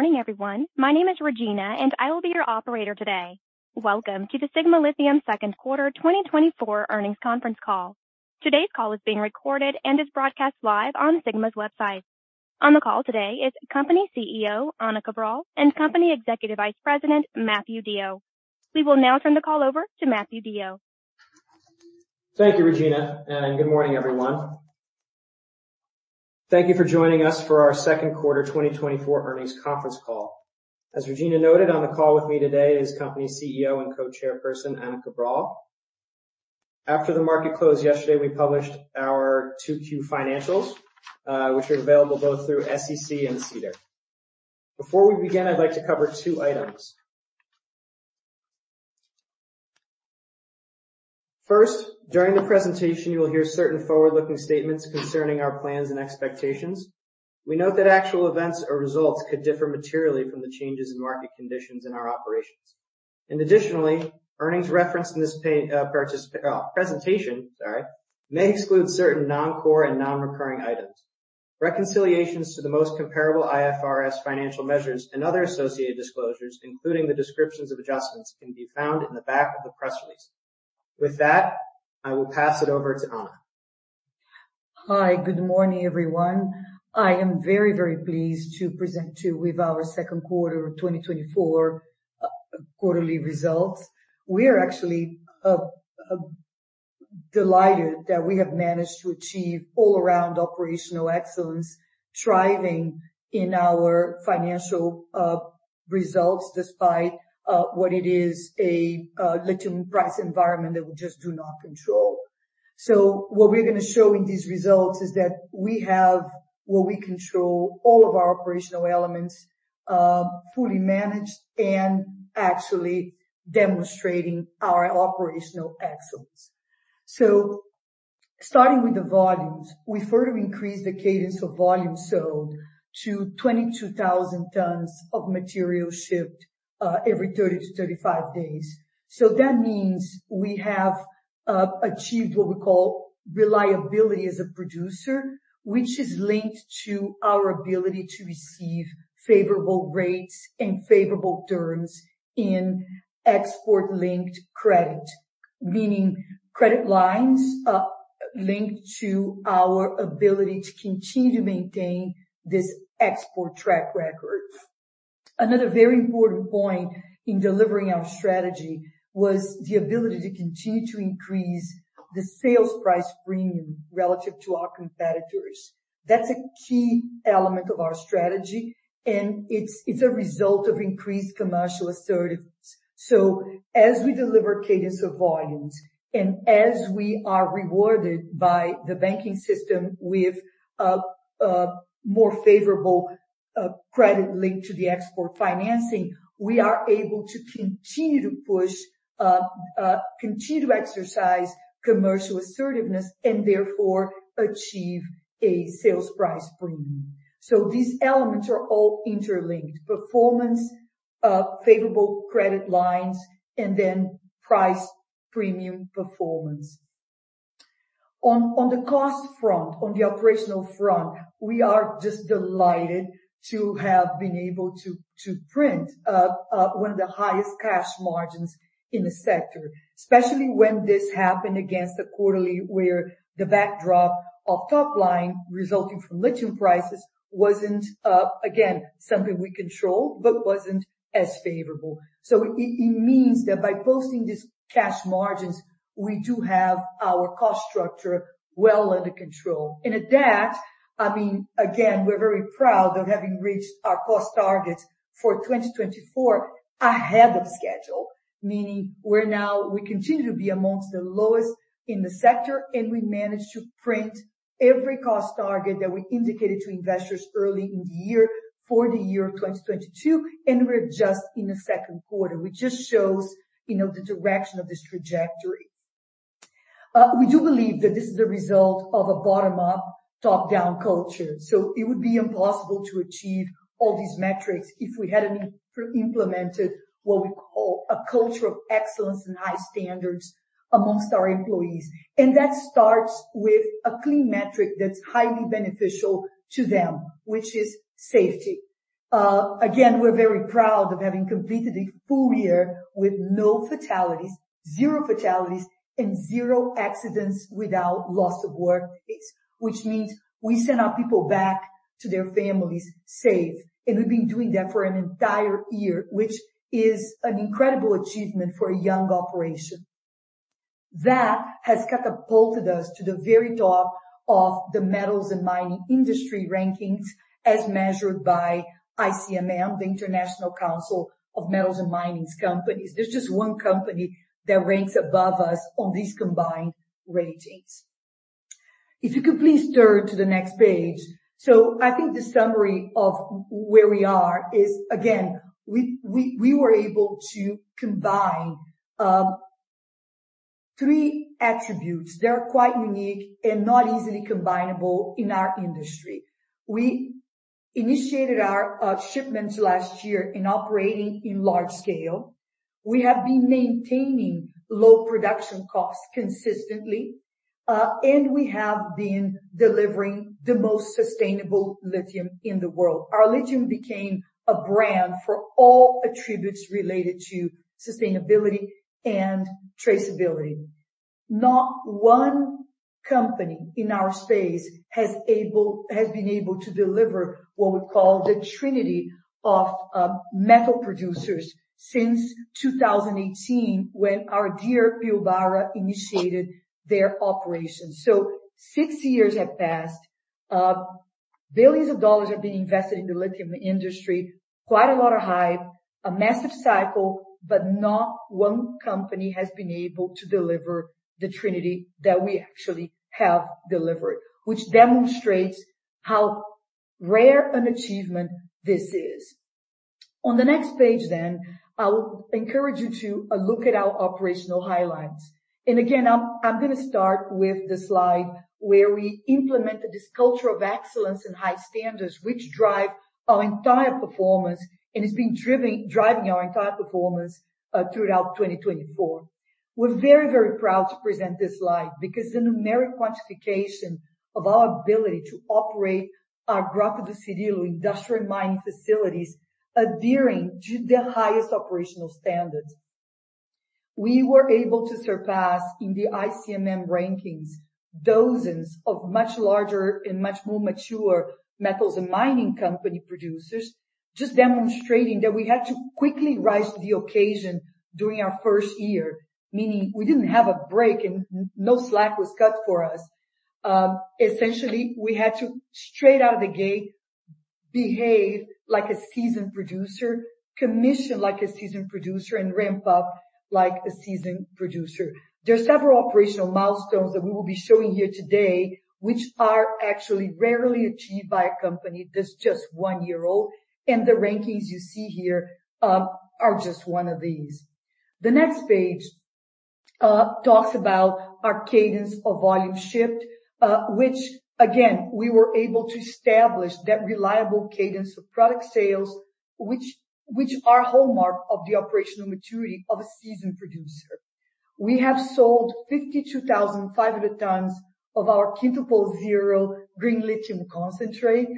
Good morning, everyone. My name is Regina, and I will be your operator today. Welcome to the Sigma Lithium second quarter 2024 earnings conference call. Today's call is being recorded and is broadcast live on Sigma's website. On the call today is company CEO Ana Cabral and company Executive Vice President Matthew DeYoe. We will now turn the call over to Matthew DeYoe. Thank you, Regina, and good morning, everyone. Thank you for joining us for our second quarter 2024 earnings conference call. As Regina noted, on the call with me today is company CEO and Co-Chairperson, Ana Cabral. After the market closed yesterday, we published our 2Q financials, which are available both through SEC and SEDAR. Before we begin, I'd like to cover two items. First, during the presentation, you will hear certain forward-looking statements concerning our plans and expectations. We note that actual events or results could differ materially from the changes in market conditions in our operations, and additionally, earnings referenced in this presentation, sorry, may exclude certain non-core and non-recurring items. Reconciliations to the most comparable IFRS financial measures and other associated disclosures, including the descriptions of adjustments, can be found in the back of the press release. With that, I will pass it over to Ana. Hi, good morning, everyone. I am very, very pleased to present you with our second quarter of 2024 quarterly results. We are actually delighted that we have managed to achieve all around operational excellence, thriving in our financial results, despite what it is a lithium price environment that we just do not control. So what we're going to show in these results is that we have what we control all of our operational elements fully managed and actually demonstrating our operational excellence. So starting with the volumes, we further increased the cadence of volumes sold to 22,000 tons of material shipped every 30-35 days. So that means we have achieved what we call reliability as a producer, which is linked to our ability to receive favorable rates and favorable terms in export-linked credit, meaning credit lines linked to our ability to continue to maintain this export track record. Another very important point in delivering our strategy was the ability to continue to increase the sales price premium relative to our competitors. That's a key element of our strategy, and it's a result of increased commercial assertiveness. So as we deliver cadence of volumes, and as we are rewarded by the banking system with a more favorable credit linked to the export financing, we are able to continue to exercise commercial assertiveness and therefore achieve a sales price premium. So these elements are all interlinked: performance, favorable credit lines, and then price premium performance. On the cost front, on the operational front, we are just delighted to have been able to to print one of the highest cash margins in the sector, especially when this happened against a quarterly where the backdrop of top line resulting from lithium prices wasn't again something we controlled, but wasn't as favorable. So it means that by posting these cash margins, we do have our cost structure well under control. At that, I mean, again, we're very proud of having reached our cost targets for 2024 ahead of schedule, meaning we're now we continue to be amongst the lowest in the sector, and we managed to print every cost target that we indicated to investors early in the year for the year twenty twenty-two, and we're just in the second quarter, which just shows, you know, the direction of this trajectory. We do believe that this is the result of a bottom-up, top-down culture. So it would be impossible to achieve all these metrics if we hadn't implemented what we call a culture of excellence and high standards amongst our employees. And that starts with a clean metric that's highly beneficial to them, which is safety. Again, we're very proud of having completed a full year with no fatalities, zero fatalities, and zero accidents without loss of work days, which means we send our people back to their families safe, and we've been doing that for an entire year, which is an incredible achievement for a young operation. That has catapulted us to the very top of the metals and mining industry rankings, as measured by ICMM, the International Council on Mining and Metals. There's just one company that ranks above us on these combined ratings. If you could please turn to the next page, so I think the summary of where we are is, again, we were able to combine three attributes. They're quite unique and not easily combinable in our industry. We initiated our shipments last year operating in large scale. We have been maintaining low production costs consistently, and we have been delivering the most sustainable lithium in the world. Our lithium became a brand for all attributes related to sustainability and traceability. Not one company in our space has been able to deliver what we call the Trinity of Metal Producers since 2018, when our dear Pilbara initiated their operations, so six years have passed, billions of dollars have been invested in the lithium industry. Quite a lot of hype, a massive cycle, but not one company has been able to deliver the trinity that we actually have delivered, which demonstrates how rare an achievement this is. On the next page then, I'll encourage you to look at our operational highlights. And again, I'm gonna start with the slide where we implemented this culture of excellence and high standards, which drive our entire performance and has been driving our entire performance throughout 2024. We're very, very proud to present this slide because the numeric quantification of our ability to operate our Grota do Cirilo industrial mining facilities, adhering to the highest operational standards. We were able to surpass in the ICMM rankings, dozens of much larger and much more mature metals and mining company producers, just demonstrating that we had to quickly rise to the occasion during our first year, meaning we didn't have a break and no slack was cut for us. Essentially, we had to straight out of the gate, behave like a seasoned producer, commission like a seasoned producer, and ramp up like a seasoned producer. There are several operational milestones that we will be showing here today, which are actually rarely achieved by a company that's just one year old, and the rankings you see here are just one of these. The next page talks about our cadence of volume shipped, which again, we were able to establish that reliable cadence of product sales, which are hallmark of the operational maturity of a seasoned producer. We have sold 52,500 tons of our Quintuple Zero Green Lithium Concentrate,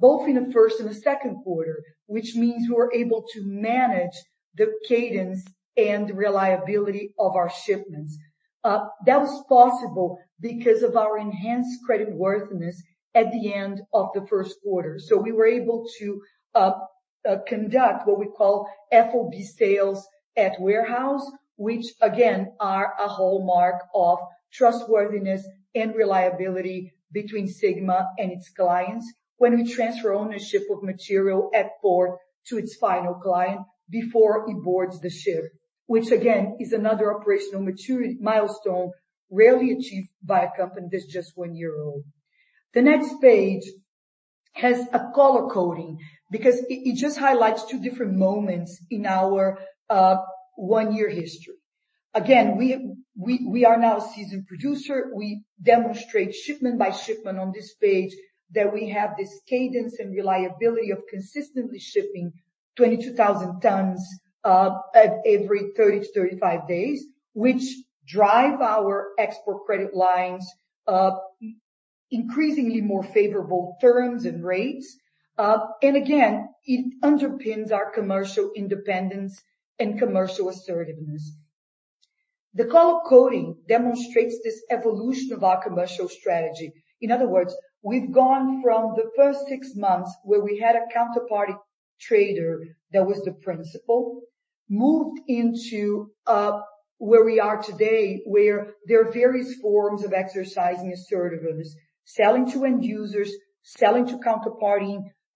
both in the first and the second quarter, which means we were able to manage the cadence and reliability of our shipments. That was possible because of our enhanced creditworthiness at the end of the first quarter. So we were able to conduct what we call FOB sales at warehouse, which again, are a hallmark of trustworthiness and reliability between Sigma and its clients when we transfer ownership of material at port to its final client before it boards the ship, which again, is another operational maturity milestone rarely achieved by a company that's just one year old. The next page has a color coding because it just highlights two different moments in our one-year history. Again, we are now a seasoned producer. We demonstrate shipment by shipment on this page, that we have this cadence and reliability of consistently shipping 22,000 tons at every 30-35 days, which drive our export credit lines increasingly more favorable terms and rates. And again, it underpins our commercial independence and commercial assertiveness. The color coding demonstrates this evolution of our commercial strategy. In other words, we've gone from the first six months, where we had a counterparty trader that was the principal, moved into, where we are today, where there are various forms of exercising assertiveness, selling to end users, selling to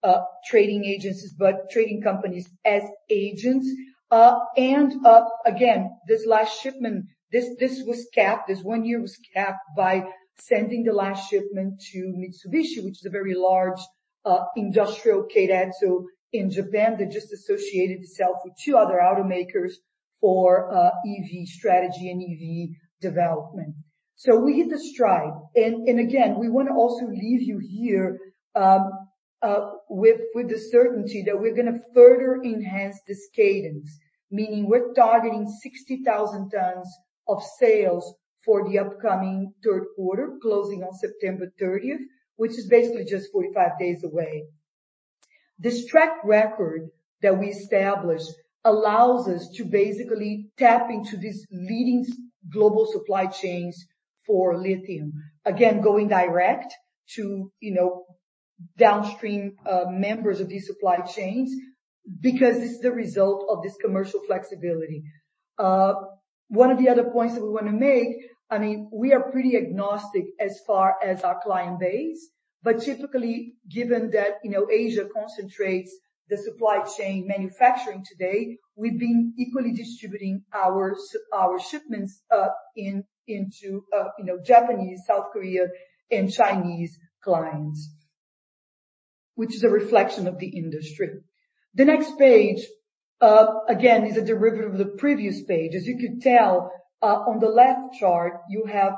counterparty, trading agencies, but trading companies as agents. And, again, this last shipment, this was capped, this one year was capped by sending the last shipment to Mitsubishi, which is a very large, industrial keiretsu in Japan. They just associated itself with two other automakers for, EV strategy and EV development. So we hit the stride. We want to also leave you here with the certainty that we're gonna further enhance this cadence, meaning we're targeting 60,000 tons of sales for the upcoming third quarter, closing on September 30th, which is basically just 45 days away. This track record that we established allows us to basically tap into these leading global supply chains for lithium. Again, going direct to, you know, downstream members of these supply chains, because this is the result of this commercial flexibility. One of the other points that we want to make, I mean, we are pretty agnostic as far as our client base, but typically, given that, you know, Asia concentrates the supply chain manufacturing today, we've been equally distributing our shipments, in, into, you know, Japanese, South Korea, and Chinese clients, which is a reflection of the industry. The next page, again, is a derivative of the previous page. As you could tell, on the left chart, you have,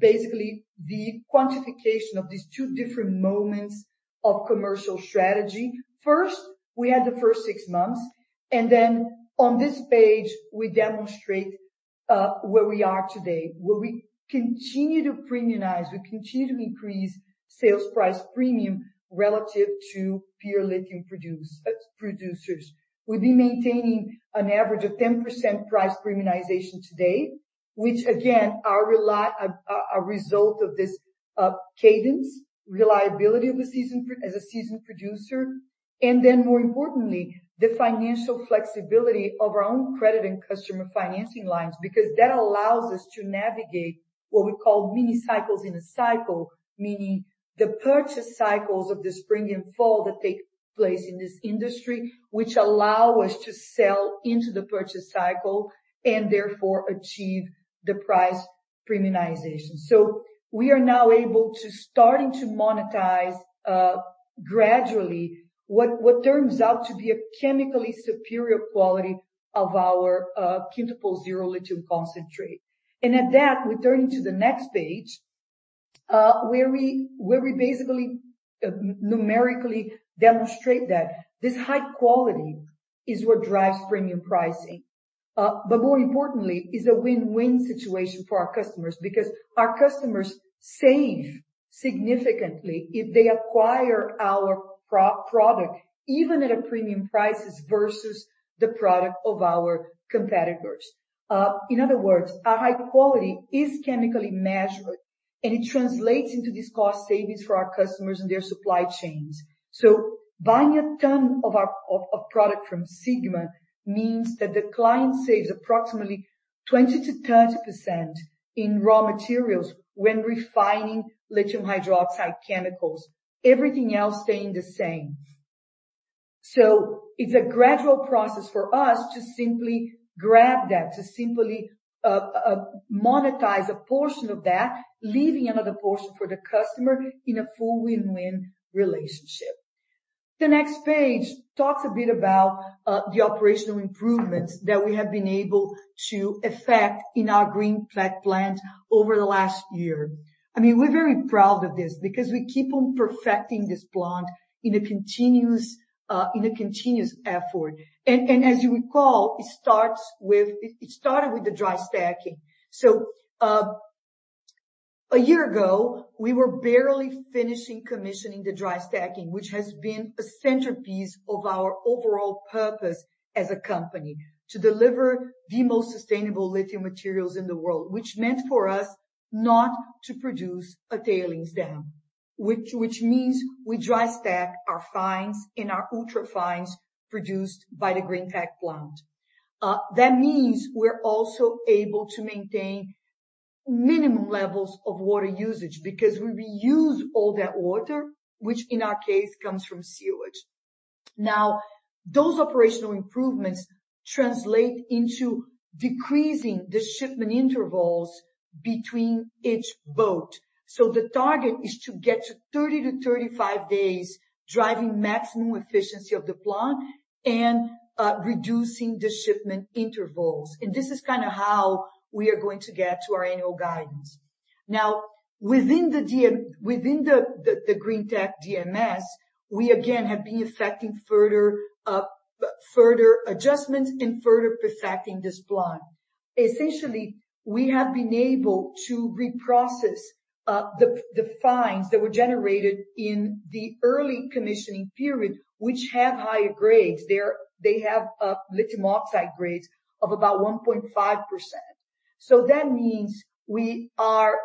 basically the quantification of these two different moments of commercial strategy. First, we had the first six months, and then on this page, we demonstrate where we are today, where we continue to premiumize, we continue to increase sales price premium relative to peer lithium producers. We've been maintaining an average of 10% price premiumization today, which again, are a result of this cadence, reliability of the seasonal as a seasonal producer, and then more importantly, the financial flexibility of our own credit and customer financing lines, because that allows us to navigate what we call mini cycles in a cycle. Meaning the purchase cycles of the spring and fall that take place in this industry, which allow us to sell into the purchase cycle and therefore achieve the price premiumization. So we are now able to start monetizing gradually what turns out to be a chemically superior quality of our Quintuple Zero Lithium Concentrate. And at that, we turn to the next page where we basically numerically demonstrate that this high quality is what drives premium pricing. But more importantly, it is a win-win situation for our customers, because our customers save significantly if they acquire our product, even at a premium prices, versus the product of our competitors. In other words, our high quality is chemically measured, and it translates into these cost savings for our customers and their supply chains. So buying a ton of our product from Sigma means that the client saves approximately 20%-30% in raw materials when refining lithium hydroxide chemicals, everything else staying the same. So it is a gradual process for us to simply grab that, to simply monetize a portion of that, leaving another portion for the customer in a full win-win relationship. The next page talks a bit about the operational improvements that we have been able to effect in our Greentech plant over the last year. I mean, we're very proud of this because we keep on perfecting this plant in a continuous effort. And as you recall, it started with the dry stacking. So, a year ago, we were barely finishing commissioning the dry stacking, which has been a centerpiece of our overall purpose as a company, to deliver the most sustainable lithium materials in the world, which meant for us not to produce a tailings dam. Which means we dry stack our fines and our ultra fines produced by the Greentech plant. That means we're also able to maintain minimum levels of water usage because we reuse all that water, which in our case, comes from sewage. Now, those operational improvements translate into decreasing the shipment intervals between each boat. So the target is to get to 30-35 days, driving maximum efficiency of the plant and reducing the shipment intervals. And this is kind of how we are going to get to our annual guidance. Now, within the Greentech DMS, we again have been effecting further adjustments and further perfecting this plant. Essentially, we have been able to reprocess the fines that were generated in the early commissioning period, which have higher grades. They have lithium oxide grades of about 1.5%. So that means we are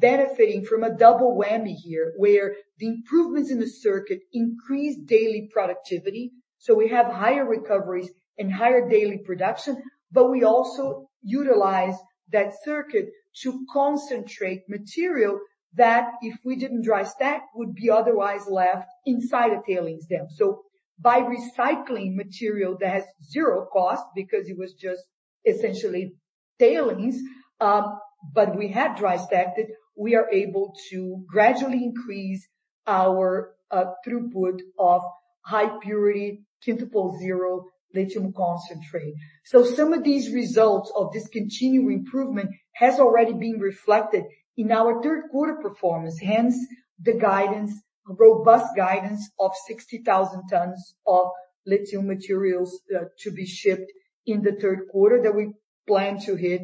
benefiting from a double whammy here, where the improvements in the circuit increase daily productivity, so we have higher recoveries and higher daily production, but we also utilize that circuit to concentrate material that, if we didn't dry stack, would be otherwise left inside a tailings dam. So by recycling material that has zero cost because it was just essentially tailings, but we had dry stacked it, we are able to gradually increase our throughput of high purity, Quintuple Zero Lithium Concentrate. So some of these results of this continued improvement has already been reflected in our third quarter performance, hence the guidance, robust guidance of 60,000 tons of lithium materials to be shipped in the third quarter, that we plan to hit,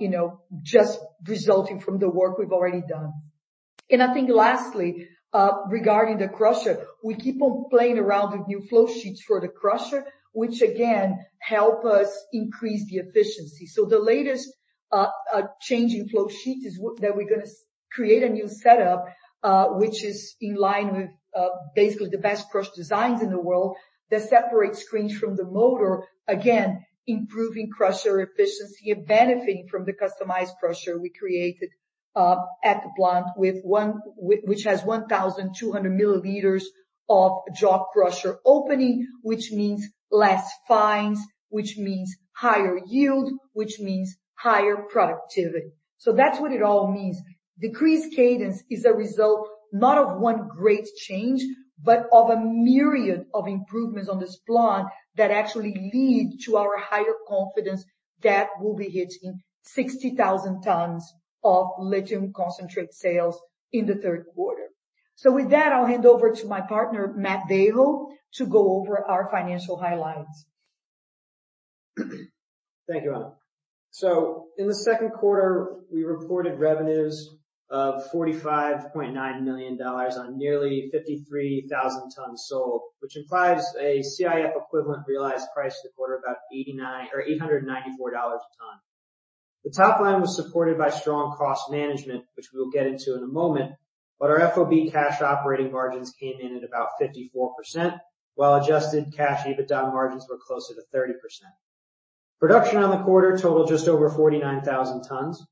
you know, just resulting from the work we've already done. And I think lastly, regarding the crusher, we keep on playing around with new flow sheets for the crusher, which again, help us increase the efficiency. The latest change in flow sheet is that we're gonna create a new setup, which is in line with basically the best crusher designs in the world, that separate screens from the motor, again, improving crusher efficiency and benefiting from the customized crusher we created at the plant, with one which has 1,200 millimeters of jaw crusher opening, which means less fines, which means higher yield, which means higher productivity. That's what it all means. Decreased cadence is a result, not of one great change, but of a myriad of improvements on this plant that actually lead to our higher confidence that we'll be hitting 60,000 tons of lithium concentrate sales in the third quarter. With that, I'll hand over to my partner, Matt DeYoe, to go over our financial highlights. Thank you, Ana. In the second quarter, we reported revenues of $45.9 million on nearly 53,000 tons sold, which implies a CIF equivalent realized price in the quarter about $894/ton. The top line was supported by strong cost management, which we will get into in a moment, but our FOB cash operating margins came in at about 54%, while adjusted cash EBITDA margins were closer to 30%. Production on the quarter totaled just over 49,000 tons.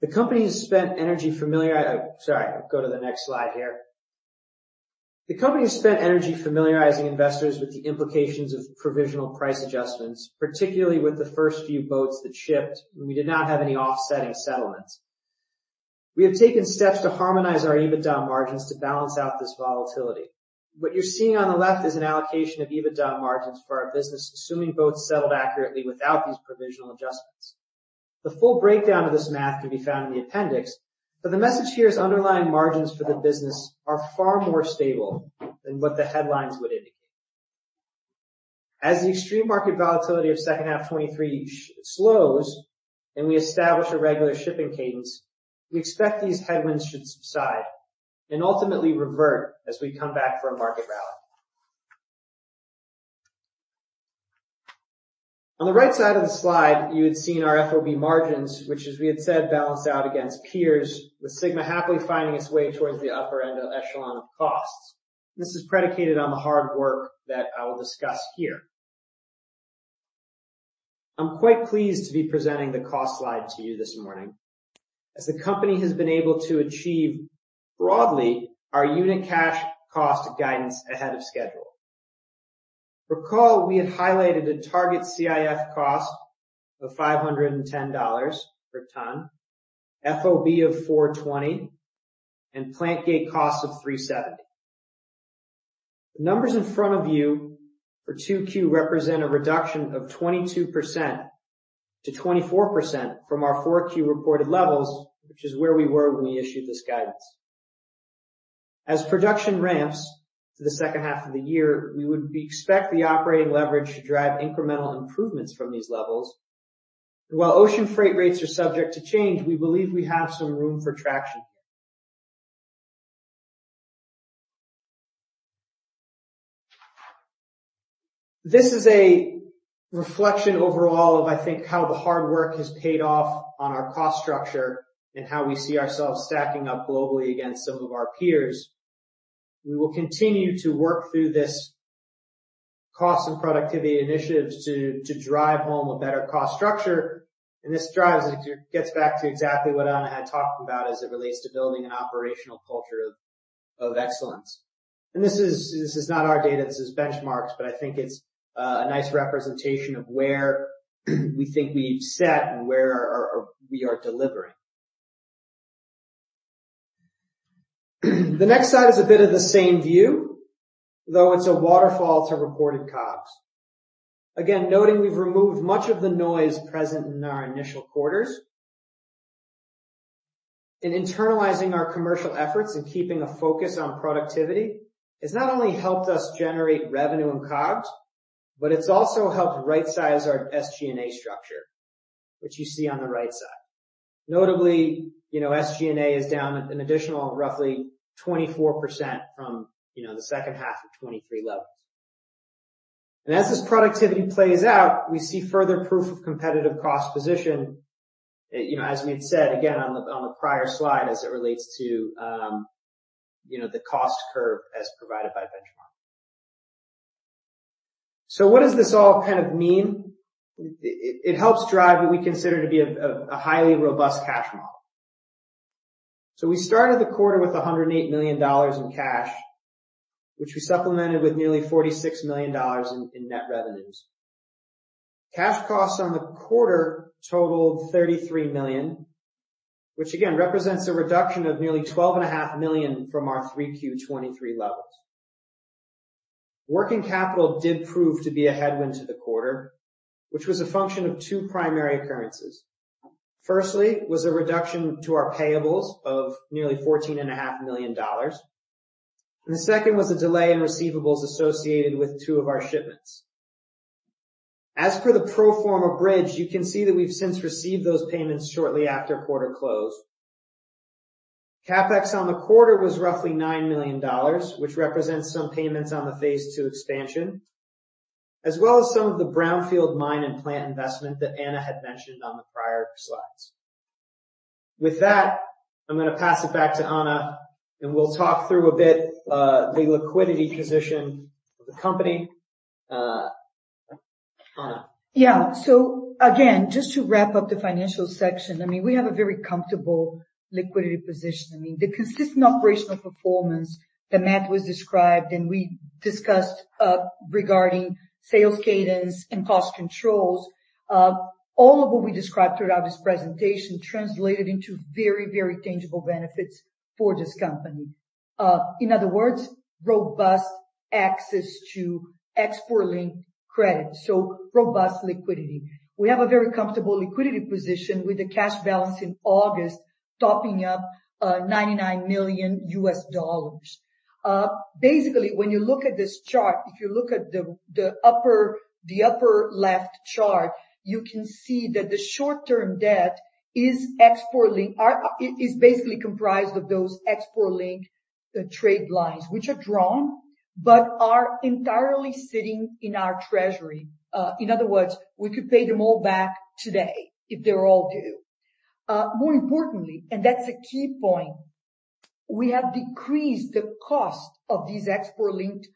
The company has spent energy familiarizing investors with the implications of provisional price adjustments, particularly with the first few boats that shipped, and we did not have any offsetting settlements. We have taken steps to harmonize our EBITDA margins to balance out this volatility. What you're seeing on the left is an allocation of EBITDA margins for our business, assuming both settled accurately without these provisional adjustments. The full breakdown of this math can be found in the appendix, but the message here is underlying margins for the business are far more stable than what the headlines would indicate. As the extreme market volatility of second half 2023 slows, and we establish a regular shipping cadence, we expect these headwinds should subside and ultimately revert as we come back for a market rally. On the right side of the slide, you had seen our FOB margins, which, as we had said, balanced out against peers, with Sigma happily finding its way towards the upper end of echelon of costs. This is predicated on the hard work that I will discuss here. I'm quite pleased to be presenting the cost slide to you this morning, as the company has been able to achieve broadly our unit cash cost guidance ahead of schedule. Recall, we had highlighted a target CIF cost of $510/ton, FOB of $420, and plant gate cost of $370. The numbers in front of you for 2Q represent a reduction of 22% to 24% from our 4Q reported levels, which is where we were when we issued this guidance. As production ramps to the second half of the year, we would expect the operating leverage to drive incremental improvements from these levels. While ocean freight rates are subject to change, we believe we have some room for traction here. This is a reflection overall of, I think, how the hard work has paid off on our cost structure and how we see ourselves stacking up globally against some of our peers. We will continue to work through this cost and productivity initiatives to drive home a better cost structure, and this drives it, gets back to exactly what Ana had talked about as it relates to building an operational culture of excellence. And this is not our data, this is benchmarks, but I think it's a nice representation of where we think we've set and where we are delivering. The next slide is a bit of the same view, though it's a waterfall to reported COGS. Again, noting we've removed much of the noise present in our initial quarters. In internalizing our commercial efforts and keeping a focus on productivity, has not only helped us generate revenue and COGS, but it's also helped rightsize our SG&A structure, which you see on the right side. Notably, you know, SG&A is down an additional roughly 24% from, you know, the second half of 2023 levels. And as this productivity plays out, we see further proof of competitive cost position. You know, as we had said, again, on the, on the prior slide, as it relates to, you know, the cost curve as provided by Benchmark. So what does this all kind of mean? It helps drive what we consider to be a highly robust cash model. So we started the quarter with $108 million in cash, which we supplemented with nearly $46 million in net revenues. Cash costs on the quarter totaled $33 million, which again represents a reduction of nearly $12.5 million from our 3Q 2023 levels. Working capital did prove to be a headwind to the quarter, which was a function of two primary occurrences. Firstly, was a reduction to our payables of nearly $14.5 million, and the second was a delay in receivables associated with two of our shipments. As for the pro forma bridge, you can see that we've since received those payments shortly after quarter closed. CapEx on the quarter was roughly $9 million, which represents some payments on the phase II expansion, as well as some of the brownfield mine and plant investment that Ana had mentioned on the prior slides. With that, I'm going to pass it back to Ana, and we'll talk through a bit, the liquidity position of the company. Ana? Yeah. So again, just to wrap up the financial section, I mean, we have a very comfortable liquidity position. I mean, the consistent operational performance that Matt was described and we discussed regarding sales cadence and cost controls, all of what we described throughout this presentation translated into very, very tangible benefits for this company. In other words, robust access to export-linked credit, so robust liquidity. We have a very comfortable liquidity position with the cash balance in August topping up $99 million. Basically, when you look at this chart, if you look at the upper left chart, you can see that the short-term debt is export-linked. It is basically comprised of those export-linked trade lines, which are drawn, but are entirely sitting in our treasury. In other words, we could pay them all back today if they were all due. More importantly, and that's a key point, we have decreased the cost of these export-linked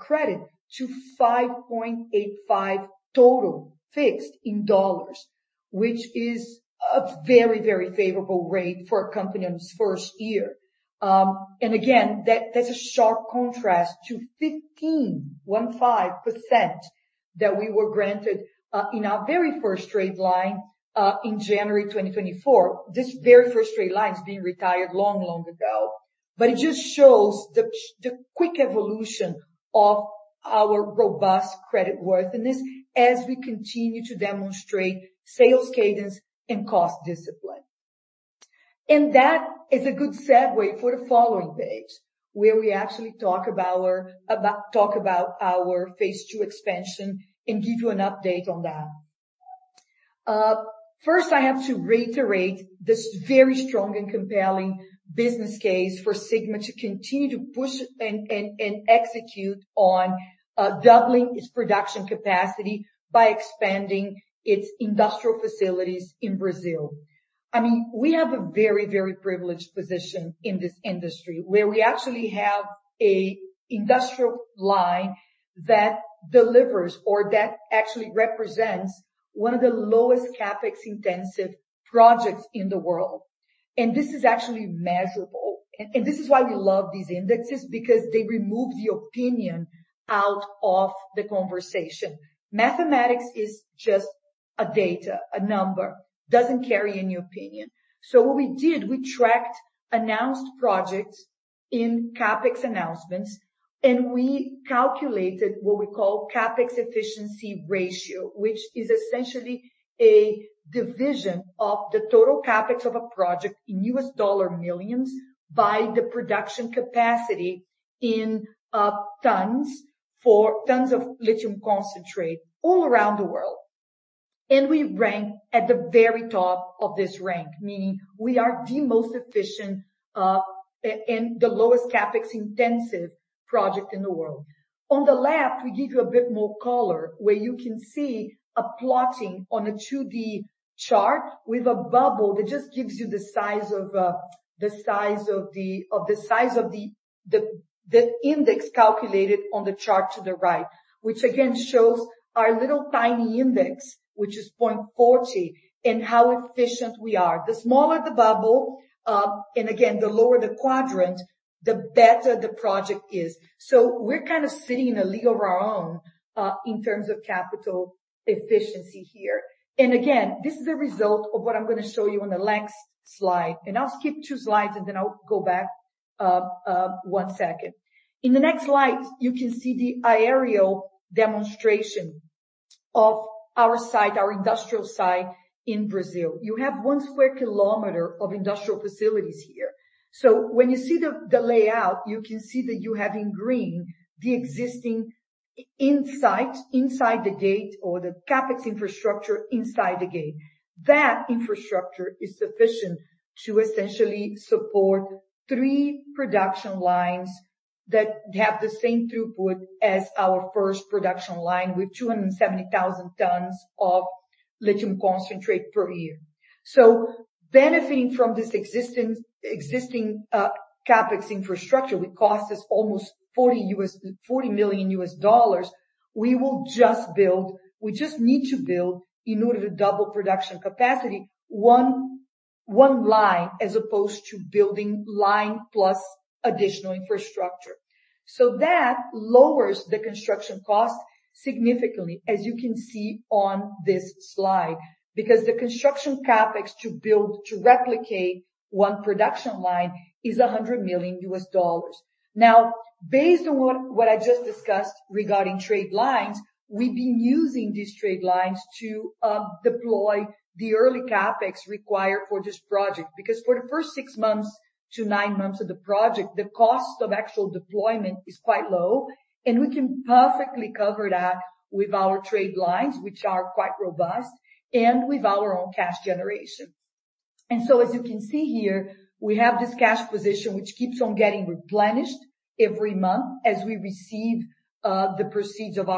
credit to 5.85 total fixed in dollars, which is a very, very favorable rate for a company in its first year. And again, that's a sharp contrast to 15% that we were granted in our very first trade line in January 2024. This very first trade line has been retired long, long ago, but it just shows the quick evolution of our robust creditworthiness as we continue to demonstrate sales cadence and cost discipline. And that is a good segue for the following page, where we actually talk about our phase II expansion and give you an update on that. First, I have to reiterate this very strong and compelling business case for Sigma to continue to push and execute on doubling its production capacity by expanding its industrial facilities in Brazil. I mean, we have a very, very privileged position in this industry, where we actually have an industrial line that delivers or that actually represents one of the lowest CapEx intensive projects in the world. This is actually measurable. This is why we love these indexes, because they remove the opinion out of the conversation. Mathematics is just data, a number, doesn't carry any opinion. So what we did, we tracked announced projects in CapEx announcements, and we calculated what we call CapEx efficiency ratio, which is essentially a division of the total CapEx of a project in US dollar millions by the production capacity in tons for tons of lithium concentrate all around the world. And we rank at the very top of this rank, meaning we are the most efficient and the lowest CapEx-intensive project in the world. On the left, we give you a bit more color, where you can see a plotting on a 2D chart with a bubble that just gives you the size of the index calculated on the chart to the right, which again shows our little tiny index, which is 0.40, and how efficient we are. The smaller the bubble, and again, the lower the quadrant, the better the project is. So we're kind of sitting in a league of our own, in terms of capital efficiency here. And again, this is a result of what I'm going to show you on the next slide, and I'll skip two slides, and then I'll go back, one second. In the next slide, you can see the aerial demonstration of our site, our industrial site in Brazil. You have 1 sq km of industrial facilities here. So when you see the layout, you can see that you have in green, the existing inside, inside the gate or the CapEx infrastructure inside the gate. That infrastructure is sufficient to essentially support three production lines that have the same throughput as our first production line, with 270,000 tons of lithium concentrate per year. So benefiting from this existing CapEx infrastructure, which cost us almost $40 million, we just need to build in order to double production capacity, one line, as opposed to building line plus additional infrastructure. So that lowers the construction cost significantly, as you can see on this slide, because the construction CapEx to build, to replicate one production line is $100 million. Now, based on what I just discussed regarding trade lines, we've been using these trade lines to deploy the early CapEx required for this project, because for the first six months to nine months of the project, the cost of actual deployment is quite low, and we can perfectly cover that with our trade lines, which are quite robust, and with our own cash generation. And so as you can see here, we have this cash position, which keeps on getting replenished every month as we receive the proceeds of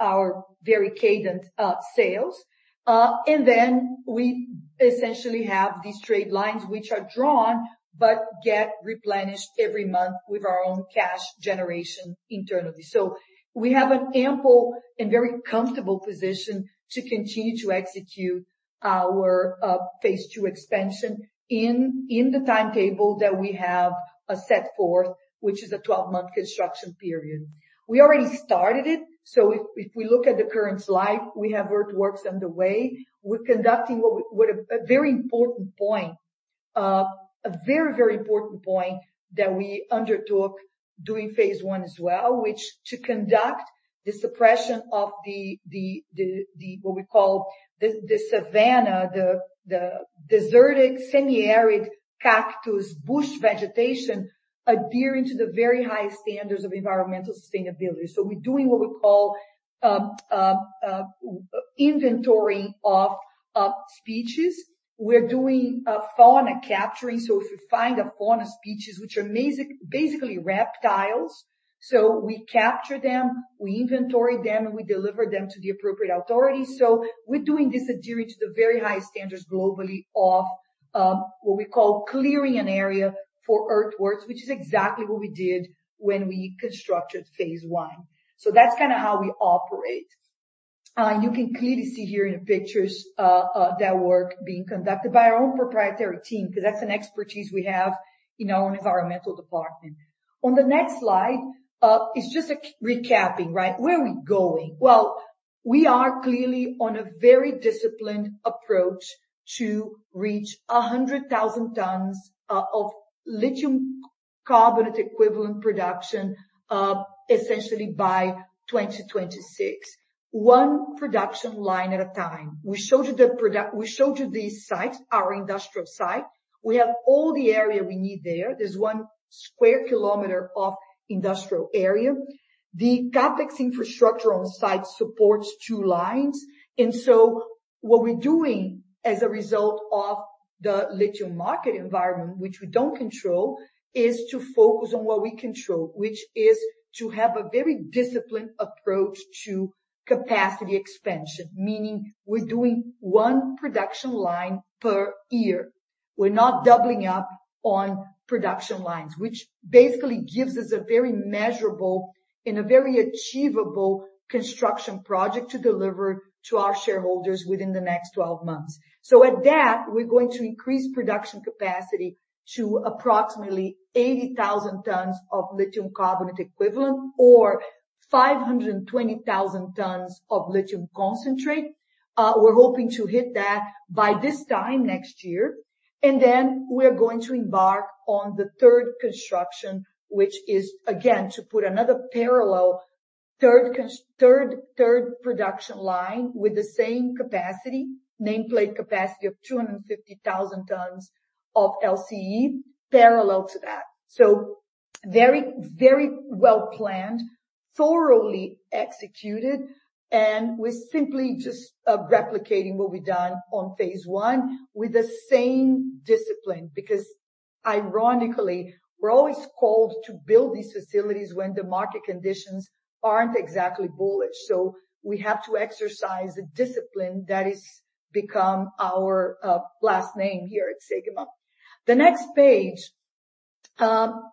our very cadence sales. And then we essentially have these trade lines, which are drawn, but get replenished every month with our own cash generation internally. So we have an ample and very comfortable position to continue to execute our phase II expansion in the timetable that we have set forth, which is a 12-month construction period. We already started it, so if we look at the current slide, we have earthworks underway. We're conducting a very, very important point that we undertook during phase I as well, which to conduct the suppression of the what we call the savanna, the desertic semi-arid cactus bush vegetation, adhering to the very high standards of environmental sustainability. So we're doing what we call inventory of species. We're doing fauna capturing. So if you find a fauna species, which are basically reptiles, so we capture them, we inventory them, and we deliver them to the appropriate authorities. We're doing this adhering to the very high standards globally of what we call clearing an area for earthworks, which is exactly what we did when we constructed phase I. That's kinda how we operate, and you can clearly see here in the pictures that work being conducted by our own proprietary team, 'cause that's an expertise we have in our environmental department. On the next slide is just a recapping, right? Where are we going? We are clearly on a very disciplined approach to reach 100,000 tons of lithium carbonate equivalent production, essentially by 2026, one production line at a time. We showed you the product. We showed you these sites, our industrial site. We have all the area we need there. There's 1 sq km of industrial area. The CapEx infrastructure on the site supports two lines, and so what we're doing as a result of the lithium market environment, which we don't control, is to focus on what we control, which is to have a very disciplined approach to capacity expansion. Meaning, we're doing one production line per year. We're not doubling up on production lines, which basically gives us a very measurable and a very achievable construction project to deliver to our shareholders within the next 12 months. So at that, we're going to increase production capacity to approximately 80,000 tons of lithium carbonate equivalent or 520,000 tons of lithium concentrate. We're hoping to hit that by this time next year, and then we're going to embark on the third construction, which is, again, to put another parallel, third production line with the same capacity, nameplate capacity of 250,000 tons of LCE parallel to that. So very, very well planned, thoroughly executed, and we're simply just replicating what we've done on phase I with the same discipline, because ironically, we're always called to build these facilities when the market conditions aren't exactly bullish. So we have to exercise the discipline that is become our last name here at Sigma. The next page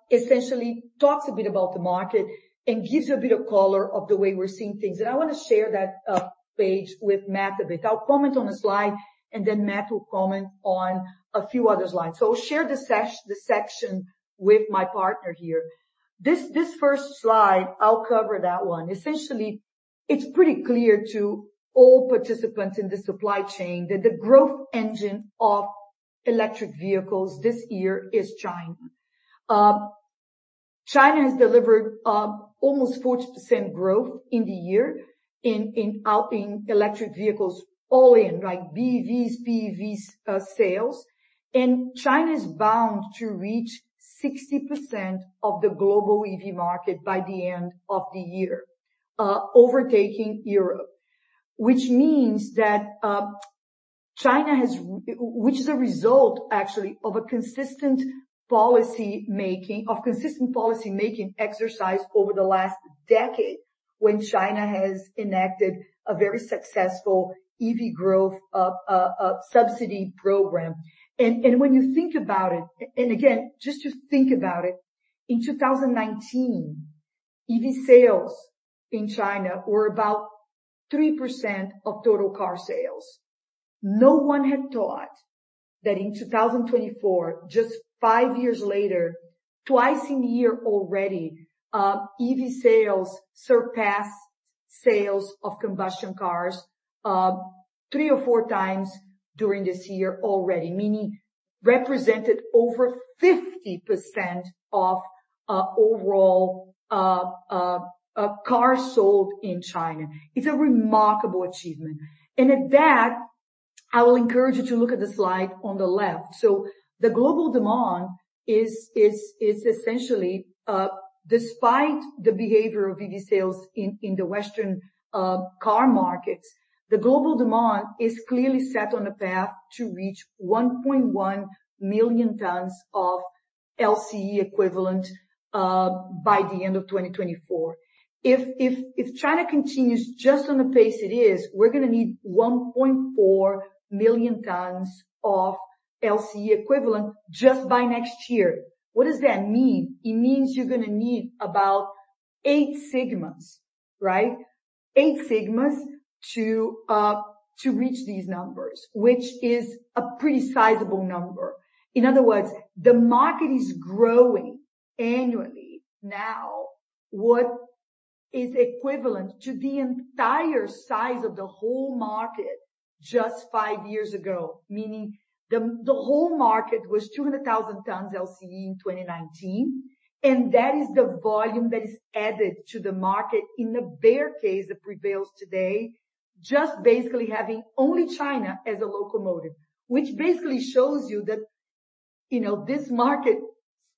essentially talks a bit about the market and gives you a bit of color of the way we're seeing things. I want to share that page with Matt a bit. I'll comment on the slide, and then Matt will comment on a few other slides so I'll share the section with my partner here. This first slide, I'll cover that one. Essentially, it's pretty clear to all participants in the supply chain that the growth engine of electric vehicles this year is China. China has delivered almost 40% growth in the year in electric vehicles, all in, like, BEVs, PEVs, sales. And China is bound to reach 60% of the global EV market by the end of the year, overtaking Europe, which means that which is a result, actually, of a consistent policy-making exercise over the last decade, when China has enacted a very successful EV growth subsidy program. When you think about it, and again, just to think about it, in 2019, EV sales in China were about 3% of total car sales. No one had thought that in 2024, just five years later, twice in a year already, EV sales surpassed sales of combustion cars three or four times during this year already, meaning represented over 50% of overall cars sold in China. It's a remarkable achievement. At that, I will encourage you to look at the slide on the left. So the global demand is essentially, despite the behavior of EV sales in the Western car markets, the global demand is clearly set on a path to reach 1.1 million tons of LCE equivalent by the end of 2024. If China continues just on the pace it is, we're gonna need 1.4 million tons of LCE equivalent just by next year. What does that mean? It means you're gonna need about eight Sigmas, right? Eight Sigmas to reach these numbers, which is a pretty sizable number. In other words, the market is growing annually now. What is equivalent to the entire size of the whole market just five years ago, meaning the whole market was 200,000 tons LCE in 2019, and that is the volume that is added to the market in the bear case that prevails today, just basically having only China as a locomotive. Which basically shows you that, you know, this market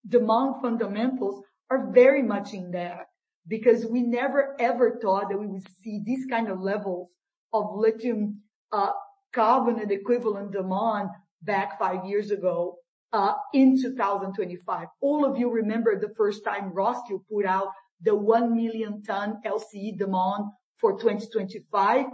demand fundamentals are very much in there, because we never, ever thought that we would see these kind of levels of lithium carbonate equivalent demand back five years ago in 2025. All of you remember the first time Roskill put out the one million ton LCE demand for 2025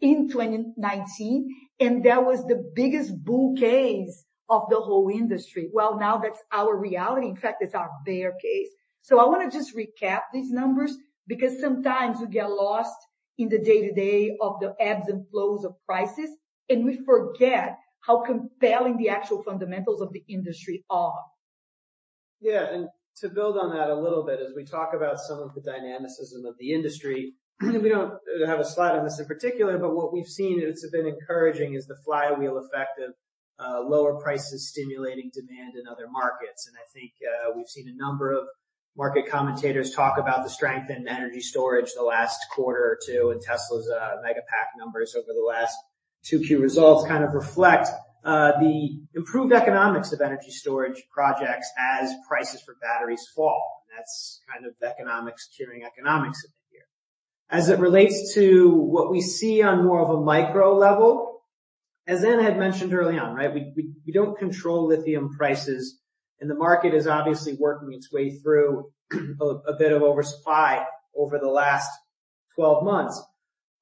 in 2019, and that was the biggest buzz of the whole industry. Well, now that's our reality. In fact, it's our bear case. So I wanna just recap these numbers, because sometimes we get lost in the day-to-day of the ebbs and flows of prices, and we forget how compelling the actual fundamentals of the industry are. Yeah, and to build on that a little bit, as we talk about some of the dynamism of the industry, we don't have a slide on this in particular, but what we've seen, and it's been encouraging, is the flywheel effect of lower prices stimulating demand in other markets. And I think we've seen a number of market commentators talk about the strength in energy storage the last quarter or two, and Tesla's Megapack numbers over the last 2Q results kind of reflect the improved economics of energy storage projects as prices for batteries fall. And that's kind of economics, cheering economics in here. As it relates to what we see on more of a micro level, as Ana had mentioned early on, right, we don't control lithium prices, and the market is obviously working its way through a bit of oversupply over the last 12 months.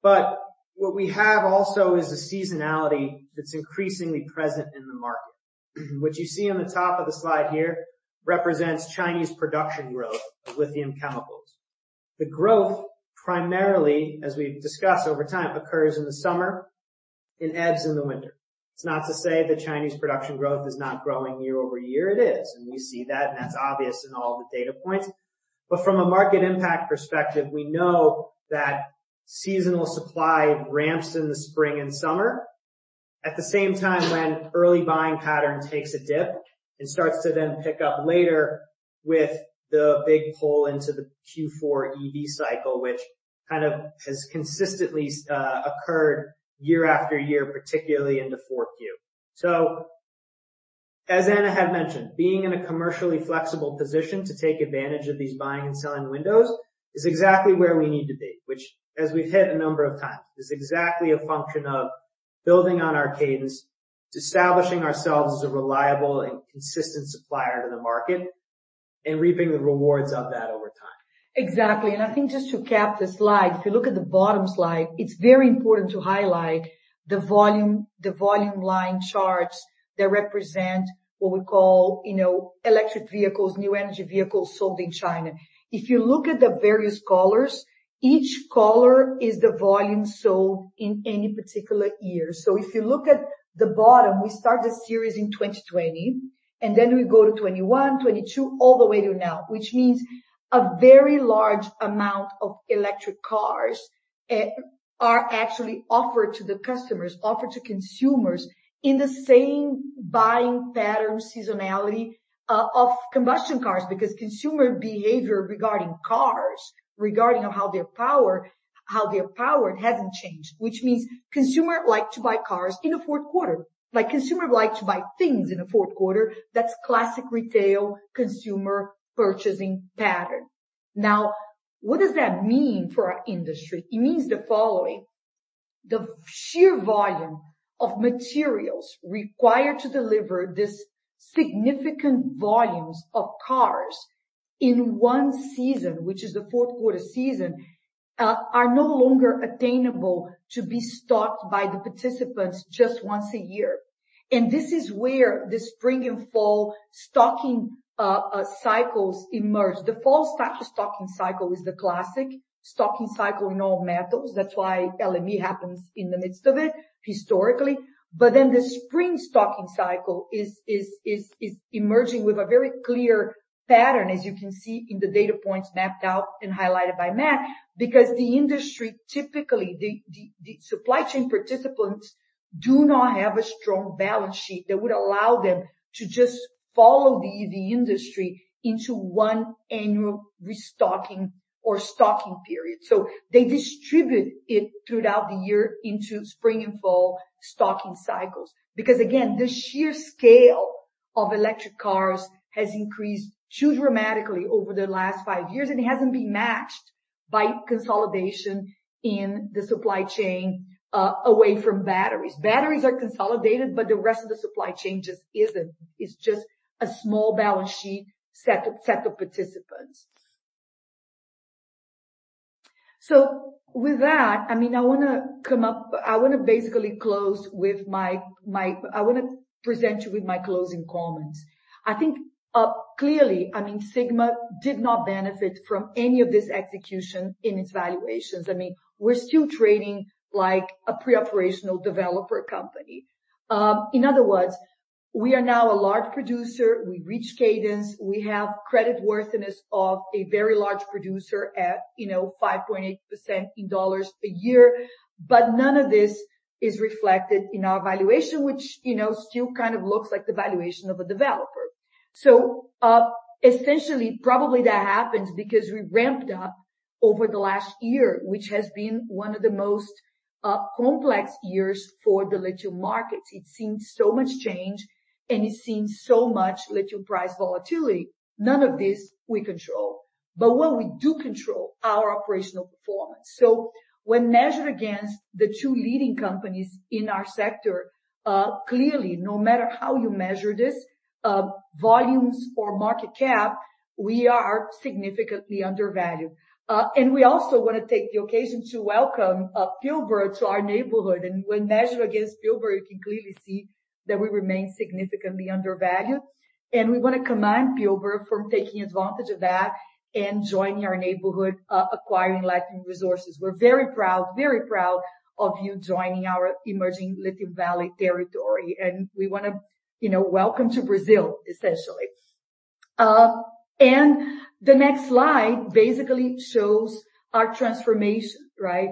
But what we have also is a seasonality that's increasingly present in the market. What you see on the top of the slide here represents Chinese production growth of lithium chemicals. The growth, primarily, as we've discussed over time, occurs in the summer and ebbs in the winter. It's not to say that Chinese production growth is not growing year over year, it is, and we see that, and that's obvious in all the data points. But from a market impact perspective, we know that seasonal supply ramps in the spring and summer. At the same time, when early buying pattern takes a dip and starts to then pick up later with the big pull into the Q4 EV cycle, which kind of has consistently occurred year after year, particularly in the Q4. So as Ana had mentioned, being in a commercially flexible position to take advantage of these buying and selling windows is exactly where we need to be, which, as we've hit a number of times, is exactly a function of building on our cadence, establishing ourselves as a reliable and consistent supplier to the market, and reaping the rewards of that over time. Exactly. And I think just to cap the slide, if you look at the bottom slide, it's very important to highlight the volume, the volume line charts that represent what we call, you know, electric vehicles, new energy vehicles sold in China. If you look at the various colors, each color is the volume sold in any particular year. So if you look at the bottom, we start the series in 2020, and then we go to 2021, 2022, all the way to now, which means a very large amount of electric cars are actually offered to the customers, offered to consumers in the same buying pattern, seasonality, of combustion cars, because consumer behavior regarding cars, regarding of how they're powered, how they're powered hasn't changed. Which means consumers like to buy cars in the fourth quarter. Like, consumers like to buy things in the fourth quarter. That's classic retail consumer purchasing pattern. Now, what does that mean for our industry? It means the following: the sheer volume of materials required to deliver this significant volumes of cars in one season, which is the fourth quarter season, are no longer attainable to be stocked by the participants just once a year. And this is where the spring and fall stocking, cycles emerge. The fall stocking cycle is the classic stocking cycle in all metals. That's why LME happens in the midst of it, historically. But then the spring stocking cycle is emerging with a very clear pattern, as you can see in the data points mapped out and highlighted by Matt, because the industry, typically, the supply chain participants do not have a strong balance sheet that would allow them to just follow the EV industry into one annual restocking or stocking period. So they distribute it throughout the year into spring and fall stocking cycles. Because, again, the sheer scale of electric cars has increased too dramatically over the last five years, and it hasn't been matched by consolidation in the supply chain, away from batteries. Batteries are consolidated, but the rest of the supply chain just isn't. It's just a small balance sheet set up, set of participants. So with that, I mean, I wanna come up - I wanna basically close with my, my... I wanna present you with my closing comments. I think, clearly, I mean, Sigma did not benefit from any of this execution in its valuations. I mean, we're still trading like a pre-operational developer company. In other words, we are now a large producer. We've reached cadence. We have credit worthiness of a very large producer at, you know, 5.8% in dollars a year. But none of this is reflected in our valuation, which, you know, still kind of looks like the valuation of a developer. So, essentially, probably that happens because we ramped up over the last year, which has been one of the most complex years for the lithium markets. It's seen so much change, and it's seen so much lithium price volatility. None of this we control, but what we do control, our operational performance. When measured against the two leading companies in our sector, clearly, no matter how you measure this, volumes or market cap, we are significantly undervalued. And we also want to take the occasion to welcome, Pilbara to our neighborhood, and when measured against Pilbara, you can clearly see that we remain significantly undervalued. And we want to commend Pilbara for taking advantage of that and joining our neighborhood, acquiring Latin Resources. We're very proud, very proud of you joining our emerging Lithium Valley territory, and we want to, you know, welcome to Brazil, essentially. And the next slide basically shows our transformation, right?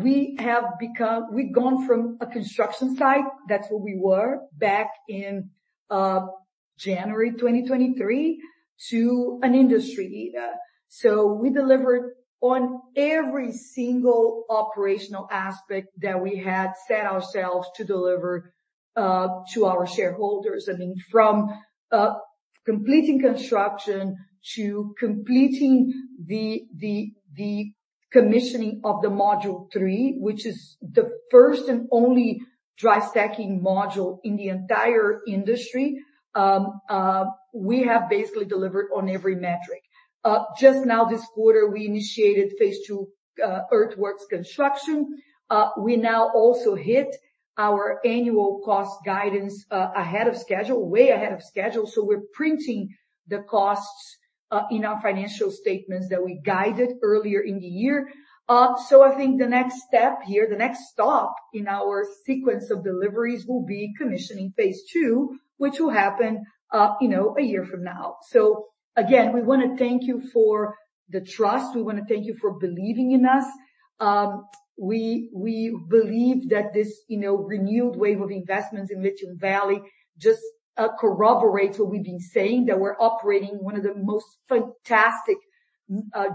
We have become, we've gone from a construction site, that's where we were back in, January 2023, to an industry leader. So we delivered on every single operational aspect that we had set ourselves to deliver, to our shareholders. I mean, from completing construction to completing the commissioning of the Module 3, which is the first and only dry stacking module in the entire industry, we have basically delivered on every metric. Just now this quarter, we initiated phase II earthworks construction. We now also hit our annual cost guidance ahead of schedule, way ahead of schedule. So we're printing the costs in our financial statements that we guided earlier in the year. So I think the next step here, the next stop in our sequence of deliveries, will be commissioning phase II, which will happen, you know, a year from now. So again, we want to thank you for the trust. We want to thank you for believing in us. We believe that this, you know, renewed wave of investments in Lithium Valley just corroborates what we've been saying, that we're operating one of the most fantastic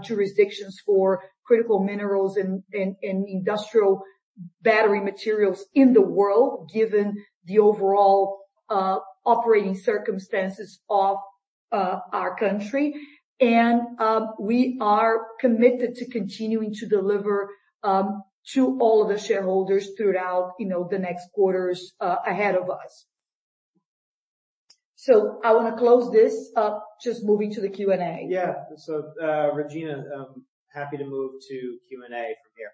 jurisdictions for critical minerals and industrial battery materials in the world, given the overall operating circumstances of our country. We are committed to continuing to deliver to all of the shareholders throughout, you know, the next quarters ahead of us. I want to close this up, just moving to the Q&A. Yeah. So, Regina, I'm happy to move to Q&A from here.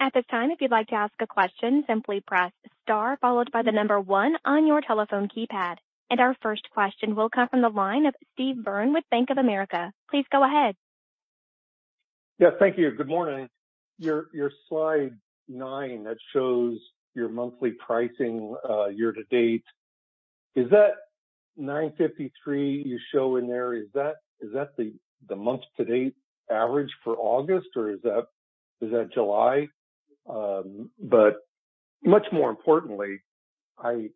At this time, if you'd like to ask a question, simply press star, followed by the number one on your telephone keypad. And our first question will come from the line of Steve Byrne with Bank of America. Please go ahead. Yeah, thank you. Good morning. Your slide nine, that shows your monthly pricing year to date. Is that $953 you show in there, is that the month to date average for August, or is that July? But much more importantly, I'm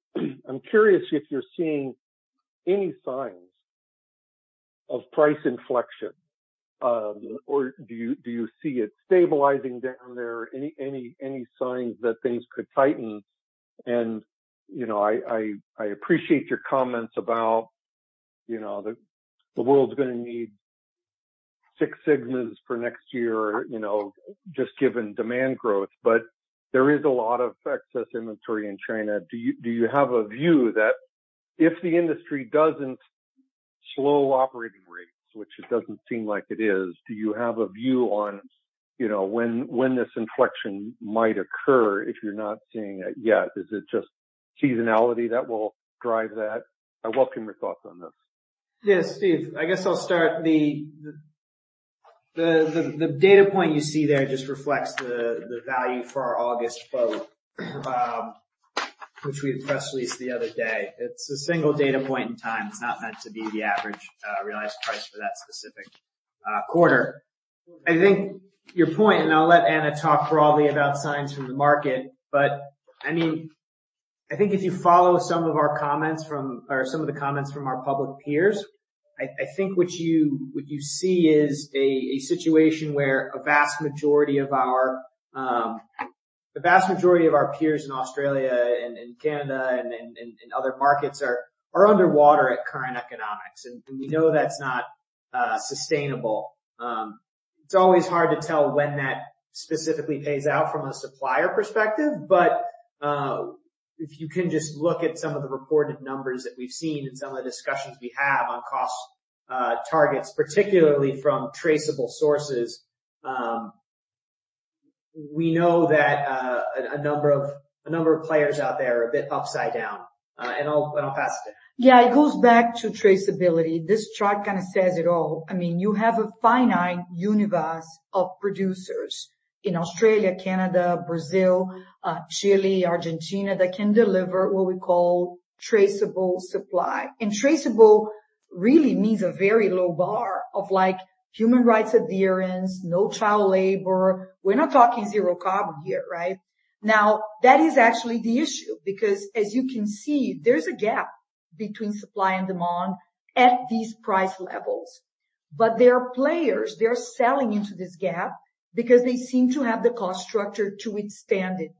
curious if you're seeing any signs of price inflection, or do you see it stabilizing down there? Any signs that things could tighten? And, you know, I appreciate your comments about, you know, the world's gonna need six Sigmas for next year, you know, just given demand growth, but there is a lot of excess inventory in China. Do you have a view that if the industry doesn't slow operating rates, which it doesn't seem like it is, do you have a view on, you know, when this inflection might occur, if you're not seeing it yet? Is it just seasonality that will drive that? I welcome your thoughts on this. Yes, Steve, I guess I'll start the data point you see there just reflects the value for our August quote, which we press released the other day. It's a single data point in time. It's not meant to be the average realized price for that specific quarter. I think your point, and I'll let Ana talk broadly about signs from the market, but I mean, I think if you follow some of our comments from or some of the comments from our public peers, I think what you see is a situation where the vast majority of our peers in Australia and Canada and other markets are underwater at current economics, and we know that's not sustainable. It's always hard to tell when that specifically pays out from a supplier perspective, but if you can just look at some of the reported numbers that we've seen and some of the discussions we have on cost targets, particularly from traceable sources, we know that a number of players out there are a bit upside down. And I'll pass it to you. Yeah, it goes back to traceability. This chart kinda says it all. I mean, you have a finite universe of producers in Australia, Canada, Brazil, Chile, Argentina, that can deliver what we call traceable supply. And traceable really means a very low bar of, like, human rights adherence, no child labor. We're not talking zero carbon here, right? Now, that is actually the issue, because as you can see, there's a gap between supply and demand at these price levels. But there are players, they're selling into this gap because they seem to have the cost structure to withstand it.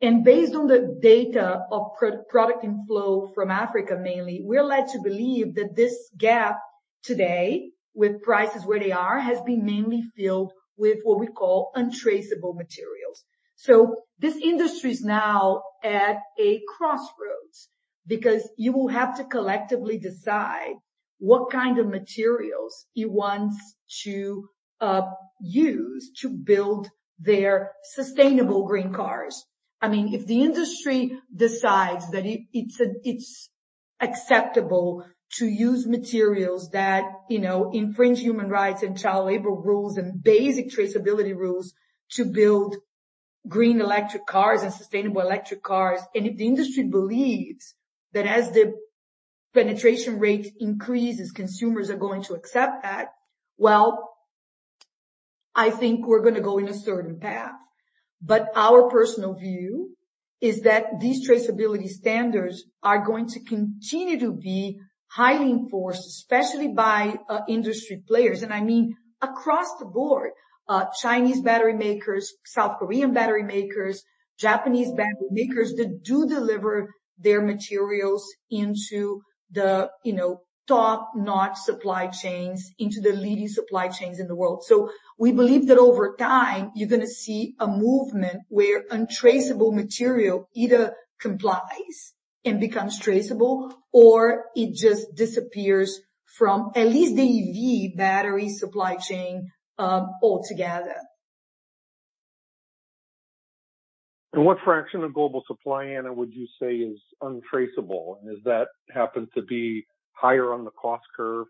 And based on the data of product inflow from Africa, mainly, we're led to believe that this gap today, with prices where they are, has been mainly filled with what we call untraceable materials. So this industry is now at a crossroads because you will have to collectively decide what kind of materials it wants to use to build their sustainable green cars. I mean, if the industry decides that it's acceptable to use materials that, you know, infringe human rights and child labor rules and basic traceability rules to build green electric cars and sustainable electric cars, and if the industry believes that as the penetration rate increases, consumers are going to accept that, well, I think we're gonna go in a certain path. But our personal view is that these traceability standards are going to continue to be highly enforced, especially by industry players, and I mean, across the board. Chinese battery makers, South Korean battery makers, Japanese battery makers, that do deliver their materials into the, you know, top-notch supply chains, into the leading supply chains in the world. So we believe that over time, you're gonna see a movement where untraceable material either complies and becomes traceable, or it just disappears from at least the EV battery supply chain, altogether. And what fraction of global supply, Ana, would you say is untraceable? And does that happen to be higher on the cost curve?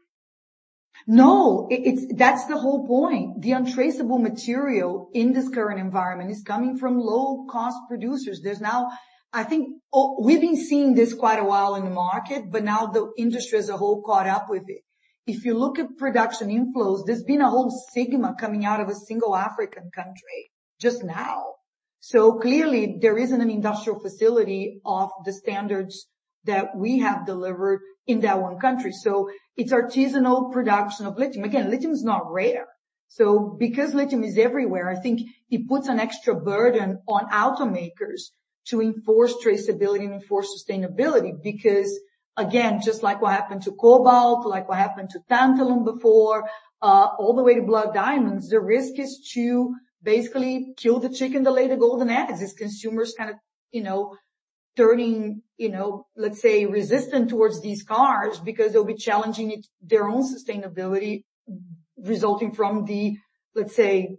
No, it's. That's the whole point. The untraceable material in this current environment is coming from low-cost producers. There's now... I think, we've been seeing this quite a while in the market, but now the industry as a whole caught up with it. If you look at production inflows, there's been a whole Sigma coming out of a single African country just now. So clearly, there isn't an industrial facility of the standards that we have delivered in that one country. So it's artisanal production of lithium. Again, lithium is not rare. So because lithium is everywhere, I think it puts an extra burden on automakers to enforce traceability and enforce sustainability, because, again, just like what happened to cobalt, like what happened to tantalum before, all the way to blood diamonds, the risk is to basically kill the chicken to lay the golden eggs, as consumers kinda, you know, turning, you know, let's say, resistant towards these cars because they'll be challenging it, their own sustainability, resulting from the, let's say,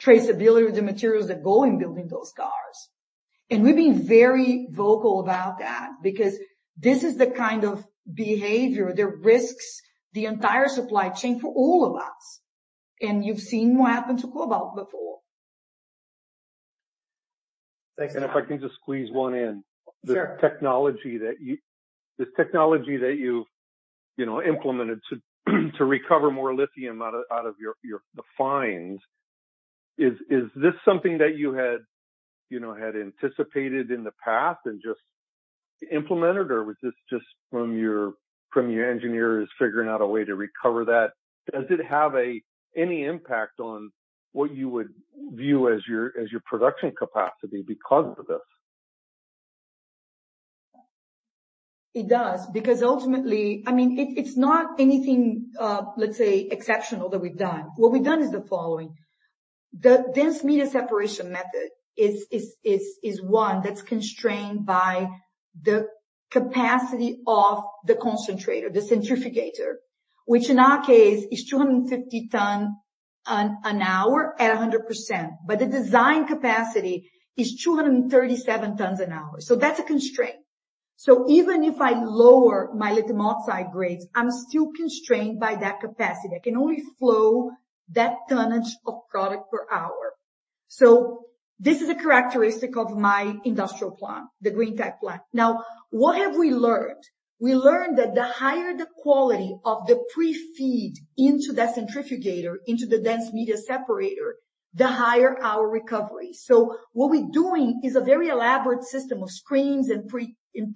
traceability of the materials that go in building those cars. And we've been very vocal about that because this is the kind of behavior that risks the entire supply chain for all of us, and you've seen what happened to cobalt before. Thanks. And if I can just squeeze one in. Sure. The technology that you've implemented to recover more lithium out of your fines, is this something that you had anticipated in the past and just implemented, or was this just from your engineers figuring out a way to recover that? Does it have any impact on what you would view as your production capacity because of this? It does, because ultimately... I mean, it's not anything, let's say, exceptional that we've done. What we've done is the following: the dense media separation method is one that's constrained by the capacity of the concentrator, the centrifugator, which in our case is 250 tons/hour at 100%, but the design capacity is 237 tons/hour. So that's a constraint. So even if I lower my lithium oxide grades, I'm still constrained by that capacity. I can only flow that tonnage of product per hour. So this is a characteristic of my industrial plant, the Greentech plant. Now, what have we learned? We learned that the higher the quality of the pre-feed into that centrifugator, into the dense media separator, the higher our recovery. So what we're doing is a very elaborate system of screens and pre and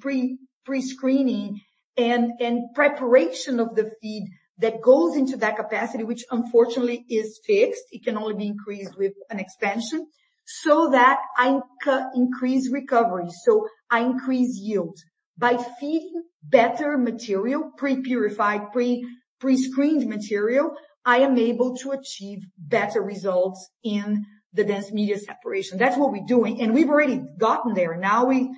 pre-screening and preparation of the feed that goes into that capacity, which unfortunately is fixed. It can only be increased with an expansion, so that I increase recovery, so I increase yield. By feeding better material, pre-purified, pre-prescreened material, I am able to achieve better results in the dense media separation. That's what we're doing, and we've already gotten there. Now, we've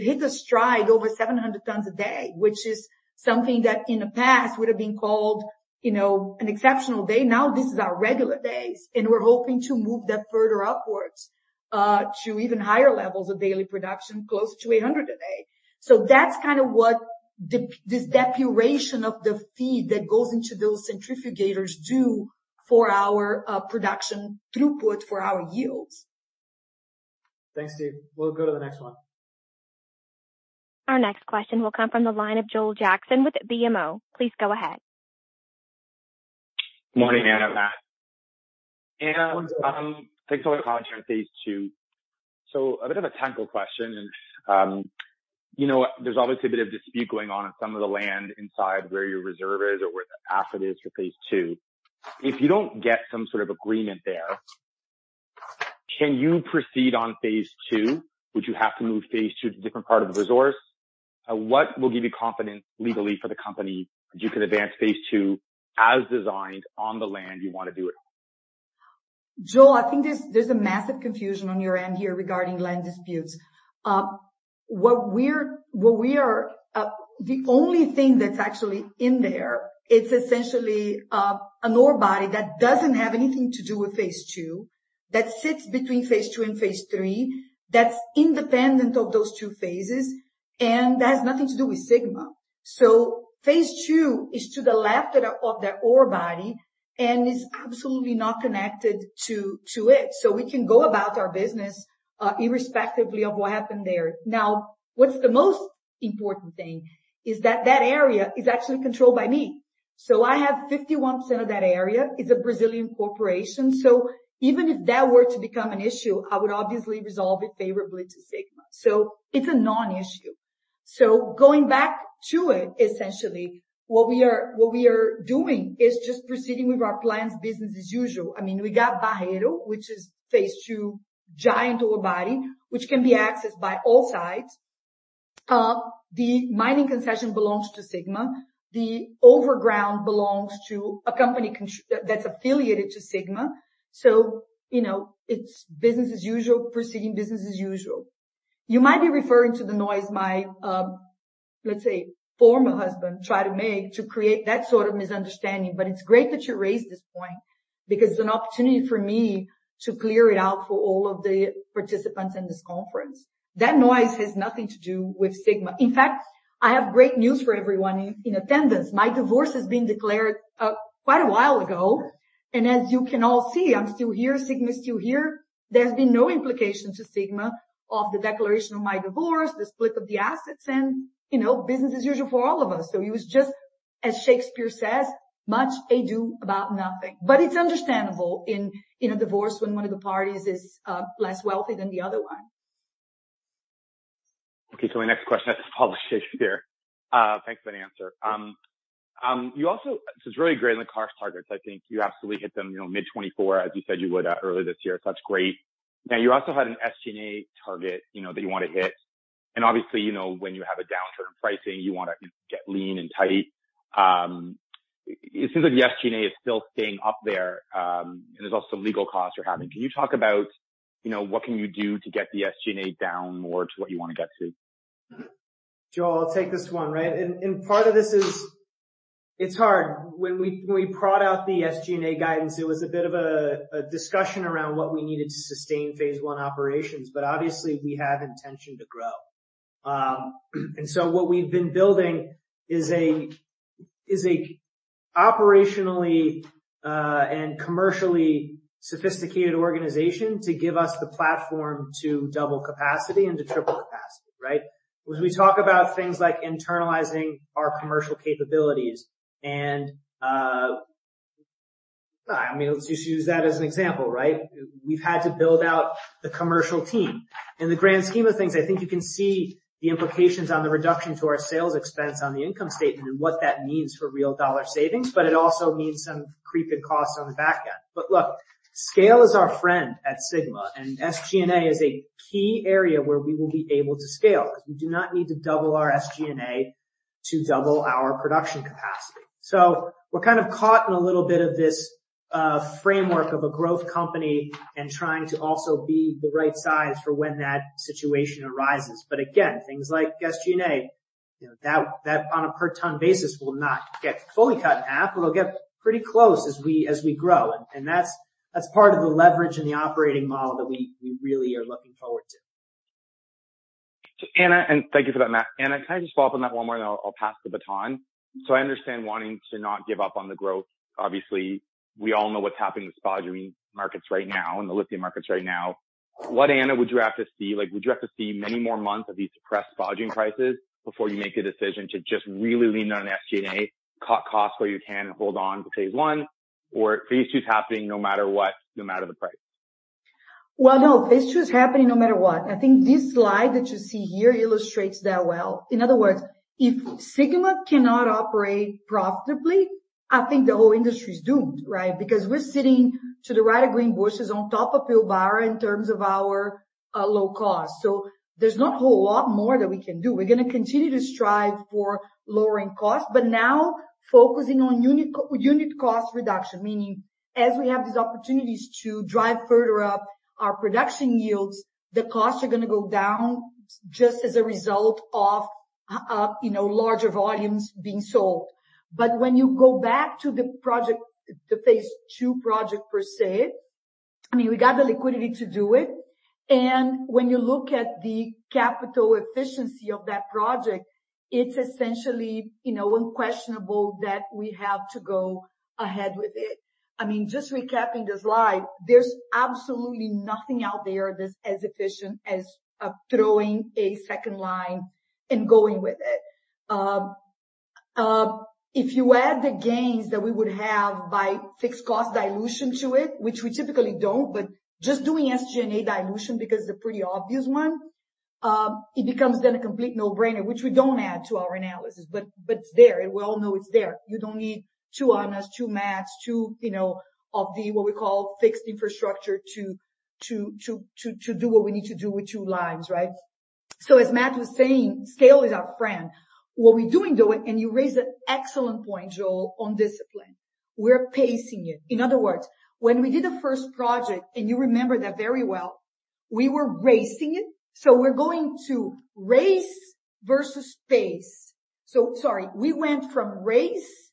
hit a stride over 700 tons/day, which is something that in the past would have been called you know, an exceptional day. Now, this is our regular days, and we're hoping to move that further upwards to even higher levels of daily production, close to 800 tons/day. So that's kind of what this depuration of the feed that goes into those centrifuges do for our production throughput, for our yields. Thanks, Steve. We'll go to the next one. Our next question will come from the line of Joel Jackson with BMO. Please go ahead. Good morning, Ana, Matt. Ana, thanks for your time here in phase II. A bit of a technical question. You know what? There's obviously a bit of dispute going on in some of the land inside where your reserve is or where the asset is for phase II. If you don't get some sort of agreement there, can you proceed on phase II? Would you have to move phase II to a different part of the resource? What will give you confidence legally for the company that you can advance phase II as designed on the land you want to do it? Joel, I think there's a massive confusion on your end here regarding land disputes. What we are, the only thing that's actually in there, it's essentially an ore body that doesn't have anything to do with phase II, that sits between phase II and phase III, that's independent of those two phases, and that has nothing to do with Sigma. So phase II is to the left of the ore body and is absolutely not connected to it. So we can go about our business irrespectively of what happened there. Now, what's the most important thing is that that area is actually controlled by me. So I have 51% of that area. It's a Brazilian corporation, so even if that were to become an issue, I would obviously resolve it favorably to Sigma. So it's a non-issue. So going back to it, essentially, what we are doing is just proceeding with our planned business as usual. I mean, we got Barreiro, which is phase II, giant ore body, which can be accessed by all sides. The mining concession belongs to Sigma. The overground belongs to a company that's affiliated to Sigma. So, you know, it's business as usual, proceeding business as usual. You might be referring to the noise my, let's say, former husband tried to make to create that sort of misunderstanding. But it's great that you raised this point, because it's an opportunity for me to clear it out for all of the participants in this conference. That noise has nothing to do with Sigma. In fact, I have great news for everyone in attendance. My divorce has been declared quite a while ago, and as you can all see, I'm still here, Sigma is still here. There's been no implication to Sigma of the declaration of my divorce, the split of the assets, and, you know, business as usual for all of us. So it was just, as Shakespeare says, much ado about nothing. But it's understandable in a divorce when one of the parties is less wealthy than the other one. Okay, so my next question has to do with Shakespeare. Thanks for the answer. You also, this is really great on the CapEx targets. I think you absolutely hit them, you know, mid-24, as you said you would earlier this year. So that's great. Now, you also had an SG&A target, you know, that you want to hit. And obviously, you know, when you have a downturn in pricing, you wanna get lean and tight. It seems like the SG&A is still staying up there, and there's also legal costs you're having. Can you talk about, you know, what can you do to get the SG&A down more to what you want to get to? Joel, I'll take this one, right? And part of this is, it's hard. When we brought out the SG&A guidance, it was a bit of a discussion around what we needed to sustain phase I operations, but obviously, we have intention to grow, and so what we've been building is a operationally and commercially sophisticated organization to give us the platform to double capacity and to triple capacity, right? As we talk about things like internalizing our commercial capabilities, and I mean, let's just use that as an example, right? We've had to build out the commercial team. In the grand scheme of things, I think you can see the implications on the reduction to our sales expense on the income statement and what that means for real dollar savings, but it also means some creeping costs on the back end. But look, scale is our friend at Sigma, and SG&A is a key area where we will be able to scale. We do not need to double our SG&A to double our production capacity. So we're kind of caught in a little bit of this framework of a growth company and trying to also be the right size for when that situation arises. But again, things like SG&A, you know, that on a per ton basis will not get fully cut in half, but it'll get pretty close as we grow. And that's part of the leverage in the operating model that we really are looking forward to. Ana, and thank you for that, Matt. Ana, can I just follow up on that one more, and I'll pass the baton? So I understand wanting to not give up on the growth. Obviously, we all know what's happening with spodumene markets right now and the lithium markets right now. What, Ana, would you have to see? Like, would you have to see many more months of these suppressed spodumene prices before you make a decision to just really lean on SG&A, cut costs where you can, and hold on to phase I, or phase II is happening no matter what, no matter the price? No, phase II is happening no matter what. I think this slide that you see here illustrates that well. In other words, if Sigma cannot operate profitably, I think the whole industry is doomed, right? Because we're sitting to the right of Greenbushes on top of Pilbara in terms of our low cost. So there's not a whole lot more that we can do. We're gonna continue to strive for lowering costs, but now focusing on unit cost reduction, meaning as we have these opportunities to drive further up our production yields, the costs are gonna go down just as a result of you know, larger volumes being sold. But when you go back to the project, the phase II project, I mean, we got the liquidity to do it. When you look at the capital efficiency of that project, it's essentially, you know, unquestionable that we have to go ahead with it. I mean, just recapping the slide, there's absolutely nothing out there that's as efficient as throwing a second line and going with it. If you add the gains that we would have by fixed cost dilution to it, which we typically don't, but just doing SG&A dilution, because the pretty obvious one, it becomes then a complete no-brainer, which we don't add to our analysis, but it's there, and we all know it's there. You don't need two Anas, two Matts, you know, of the, what we call fixed infrastructure, to do what we need to do with two lines, right? As Matt was saying, scale is our friend. What we're doing, though, and you raised an excellent point, Joel, on discipline. We're pacing it. In other words, when we did the first project, and you remember that very well, we were racing it. So we're going to race versus pace. So sorry, we went from race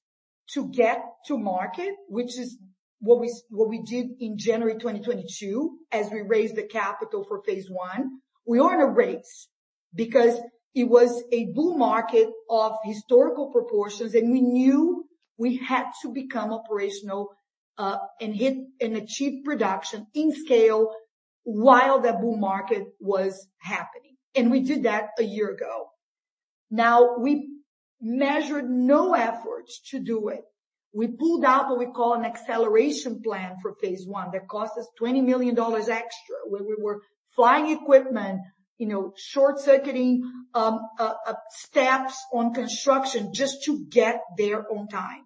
to get to market, which is what we did in January 2022, as we raised the capital for phase I. We were in a race because it was a bull market of historical proportions, and we knew we had to become operational, and hit and achieve production in scale while the bull market was happening, and we did that a year ago. Now, we measured no efforts to do it. We pulled out what we call an acceleration plan for phase I, that cost us $20 million extra, where we were flying equipment, you know, short-circuiting steps on construction just to get there on time.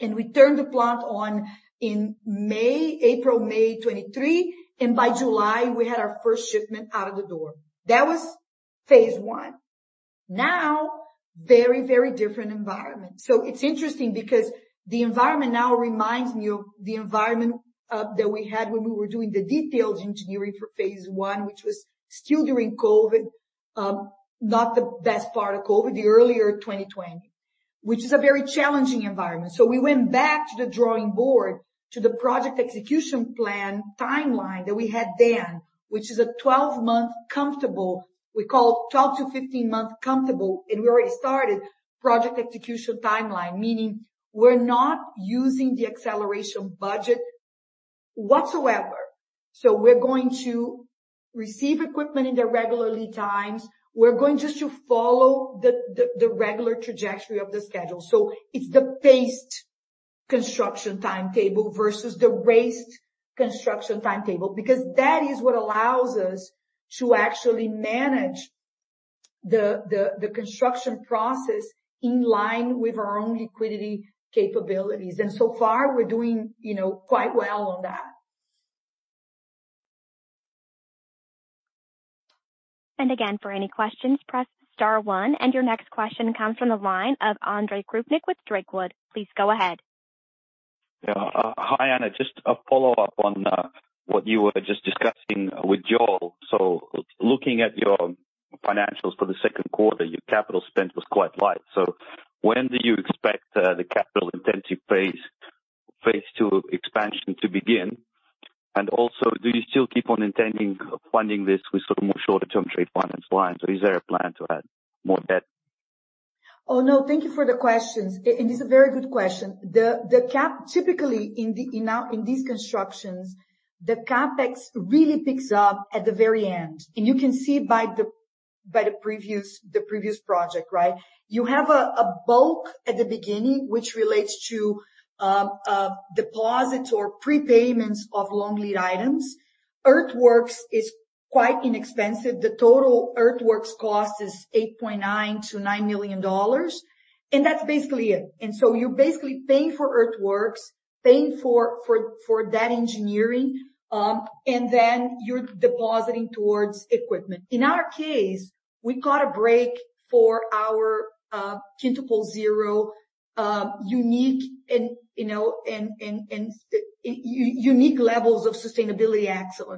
And we turned the plant on in May, April, May 2023, and by July, we had our first shipment out of the door. That was phase I Now, very, very different environment. So it's interesting because the environment now reminds me of the environment that we had when we were doing the detailed engineering for phase I, which was still during COVID, not the best part of COVID, the earlier 2020, which is a very challenging environment. So we went back to the drawing board, to the project execution plan timeline that we had then, which is a 12-month comfortable. We call it 12 to 15-month comfortable, and we already started project execution timeline, meaning we're not using the acceleration budget whatsoever. So we're going to receive equipment in the regular lead times. We're going just to follow the regular trajectory of the schedule. So it's the paced construction timetable versus the raced construction timetable, because that is what allows us to actually manage the construction process in line with our own liquidity capabilities. And so far, we're doing, you know, quite well on that. And again, for any questions, press star one, and your next question comes from the line of Andrei Kroupnik with Drakewood. Please go ahead. Yeah. Hi, Ana. Just a follow-up on what you were just discussing with Joel. So looking at your financials for the second quarter, your capital spend was quite light. So when do you expect the capital-intensive phase, phase II expansion to begin? And also, do you still keep on intending funding this with sort of more shorter-term trade finance lines, or is there a plan to add more debt? Oh, no, thank you for the questions, and it's a very good question. The cap-- typically, in these constructions, the CapEx really picks up at the very end. And you can see by the previous project, right? You have a bulk at the beginning, which relates to deposits or prepayments of long lead items. Earthworks is quite inexpensive. The total earthworks cost is $8.9 million-$9 million, and that's basically it. And so you're basically paying for earthworks, paying for that engineering, and then you're depositing towards equipment. In our case, we got a break for our Quintuple Zero unique and, you know, unique levels of sustainability actions.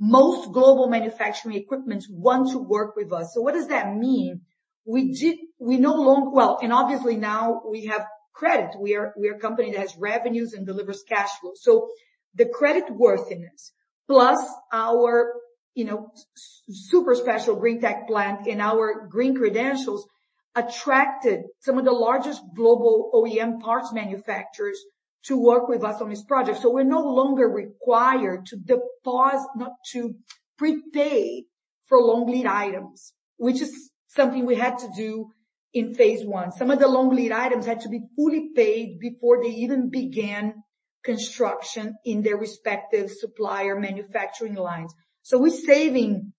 Most global manufacturing equipments want to work with us. So what does that mean? We no longer. And obviously now we have credit. We are a company that has revenues and delivers cash flow. So the creditworthiness, plus our, you know, super special green tech plant and our green credentials, attracted some of the largest global OEM parts manufacturers to work with us on this project. So we're no longer required to deposit, not to prepay for long lead items, which is something we had to do in phase I. Some of the long lead items had to be fully paid before they even began construction in their respective supplier manufacturing lines. So we're saving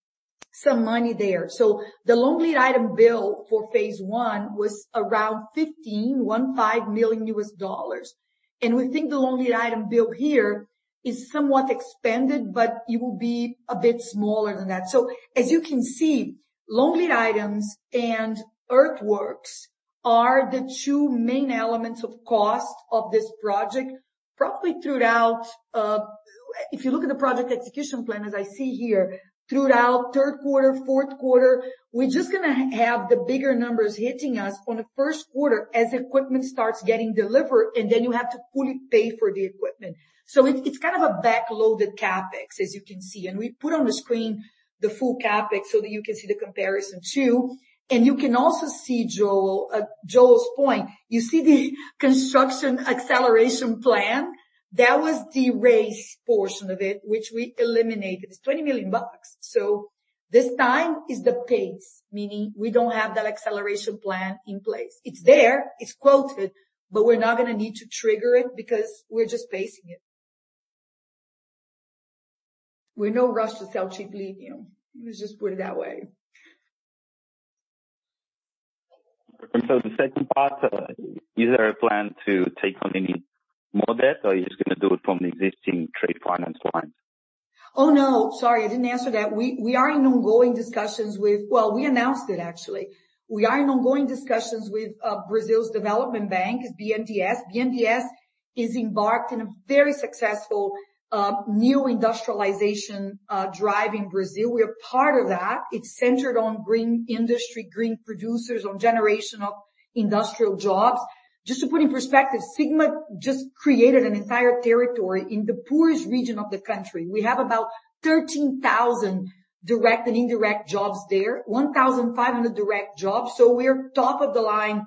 some money there. So the long lead item bill for phase I was around $15 million, and we think the long lead item bill here is somewhat expanded, but it will be a bit smaller than that. So as you can see, long lead items and earthworks are the two main elements of cost of this project. Probably throughout, if you look at the project execution plan, as I see here, throughout third quarter, fourth quarter, we're just gonna have the bigger numbers hitting us on the first quarter as equipment starts getting delivered, and then you have to fully pay for the equipment. So it, it's kind of a backloaded CapEx, as you can see, and we put on the screen the full CapEx so that you can see the comparison, too. And you can also see Joel, Joel's point. You see the construction acceleration plan? That was the race portion of it, which we eliminated. It's $20 million. So this time is the pace, meaning we don't have that acceleration plan in place. It's there, it's quoted, but we're not gonna need to trigger it because we're just pacing it. We're no rush to sell cheap lithium. Let's just put it that way. And so the second part, is there a plan to take on any more debt, or are you just gonna do it from the existing trade finance lines? Oh, no, sorry, I didn't answer that. We are in ongoing discussions with. Well, we announced it, actually. We are in ongoing discussions with Brazil's development bank, BNDES. BNDES is embarked in a very successful new industrialization drive in Brazil. We are part of that. It's centered on green industry, green producers, on generation of industrial jobs. Just to put in perspective, Sigma just created an entire territory in the poorest region of the country. We have about 13,000 direct and indirect jobs there, 1,500 direct jobs. So we're top of the line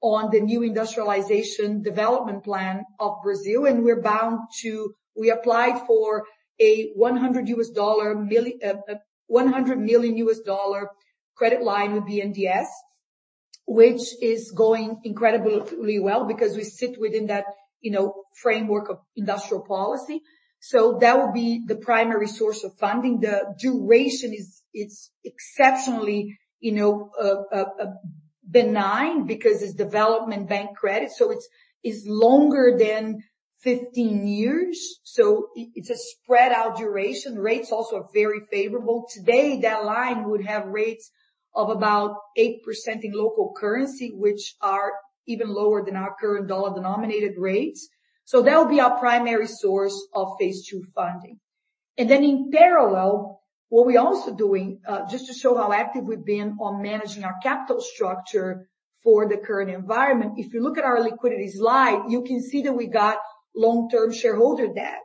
on the new industrialization development plan of Brazil, and we're bound to. We applied for a $100 million credit line with BNDES, which is going incredibly well because we sit within that, you know, framework of industrial policy. That will be the primary source of funding. The duration is, it's exceptionally, you know, benign, because it's development bank credit, so it's, it's longer than 15 years. It's a spread-out duration. Rates also are very favorable. Today, that line would have rates of about 8% in local currency, which are even lower than our current dollar-denominated rates. That will be our primary source of phase II funding. Then in parallel, what we're also doing, just to show how active we've been on managing our capital structure for the current environment. If you look at our liquidity slide, you can see that we got long-term shareholder debt,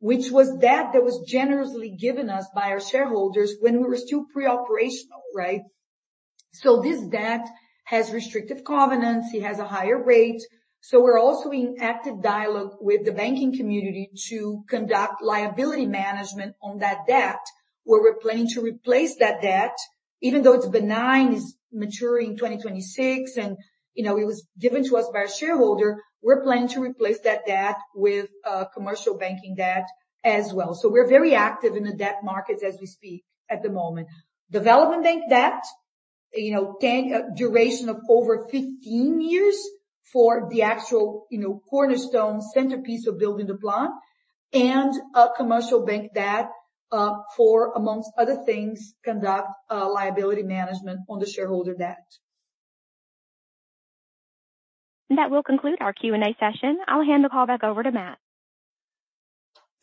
which was debt that was generously given us by our shareholders when we were still pre-operational, right? So this debt has restrictive covenants, it has a higher rate. So we're also in active dialogue with the banking community to conduct liability management on that debt, where we're planning to replace that debt, even though it's benign, it's maturing in 2026, and, you know, it was given to us by our shareholder, we're planning to replace that debt with commercial banking debt as well. So we're very active in the debt markets as we speak at the moment. Development bank debt, you know, take a duration of over 15 years for the actual, you know, cornerstone centerpiece of building the plant, and a commercial bank debt for, among other things, conduct liability management on the shareholder debt. That will conclude our Q&A session. I'll hand the call back over to Matt.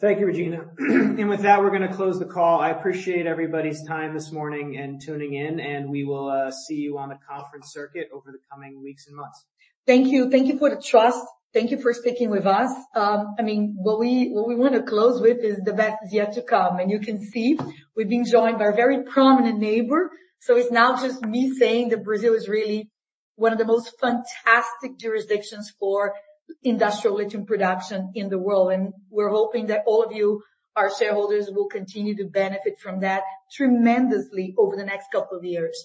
Thank you, Regina. And with that, we're gonna close the call. I appreciate everybody's time this morning and tuning in, and we will see you on the conference circuit over the coming weeks and months. Thank you. Thank you for the trust. Thank you for sticking with us. I mean, what we want to close with is the best is yet to come. And you can see, we've been joined by a very prominent neighbor. So it's not just me saying that Brazil is really one of the most fantastic jurisdictions for industrial lithium production in the world, and we're hoping that all of you, our shareholders, will continue to benefit from that tremendously over the next couple of years.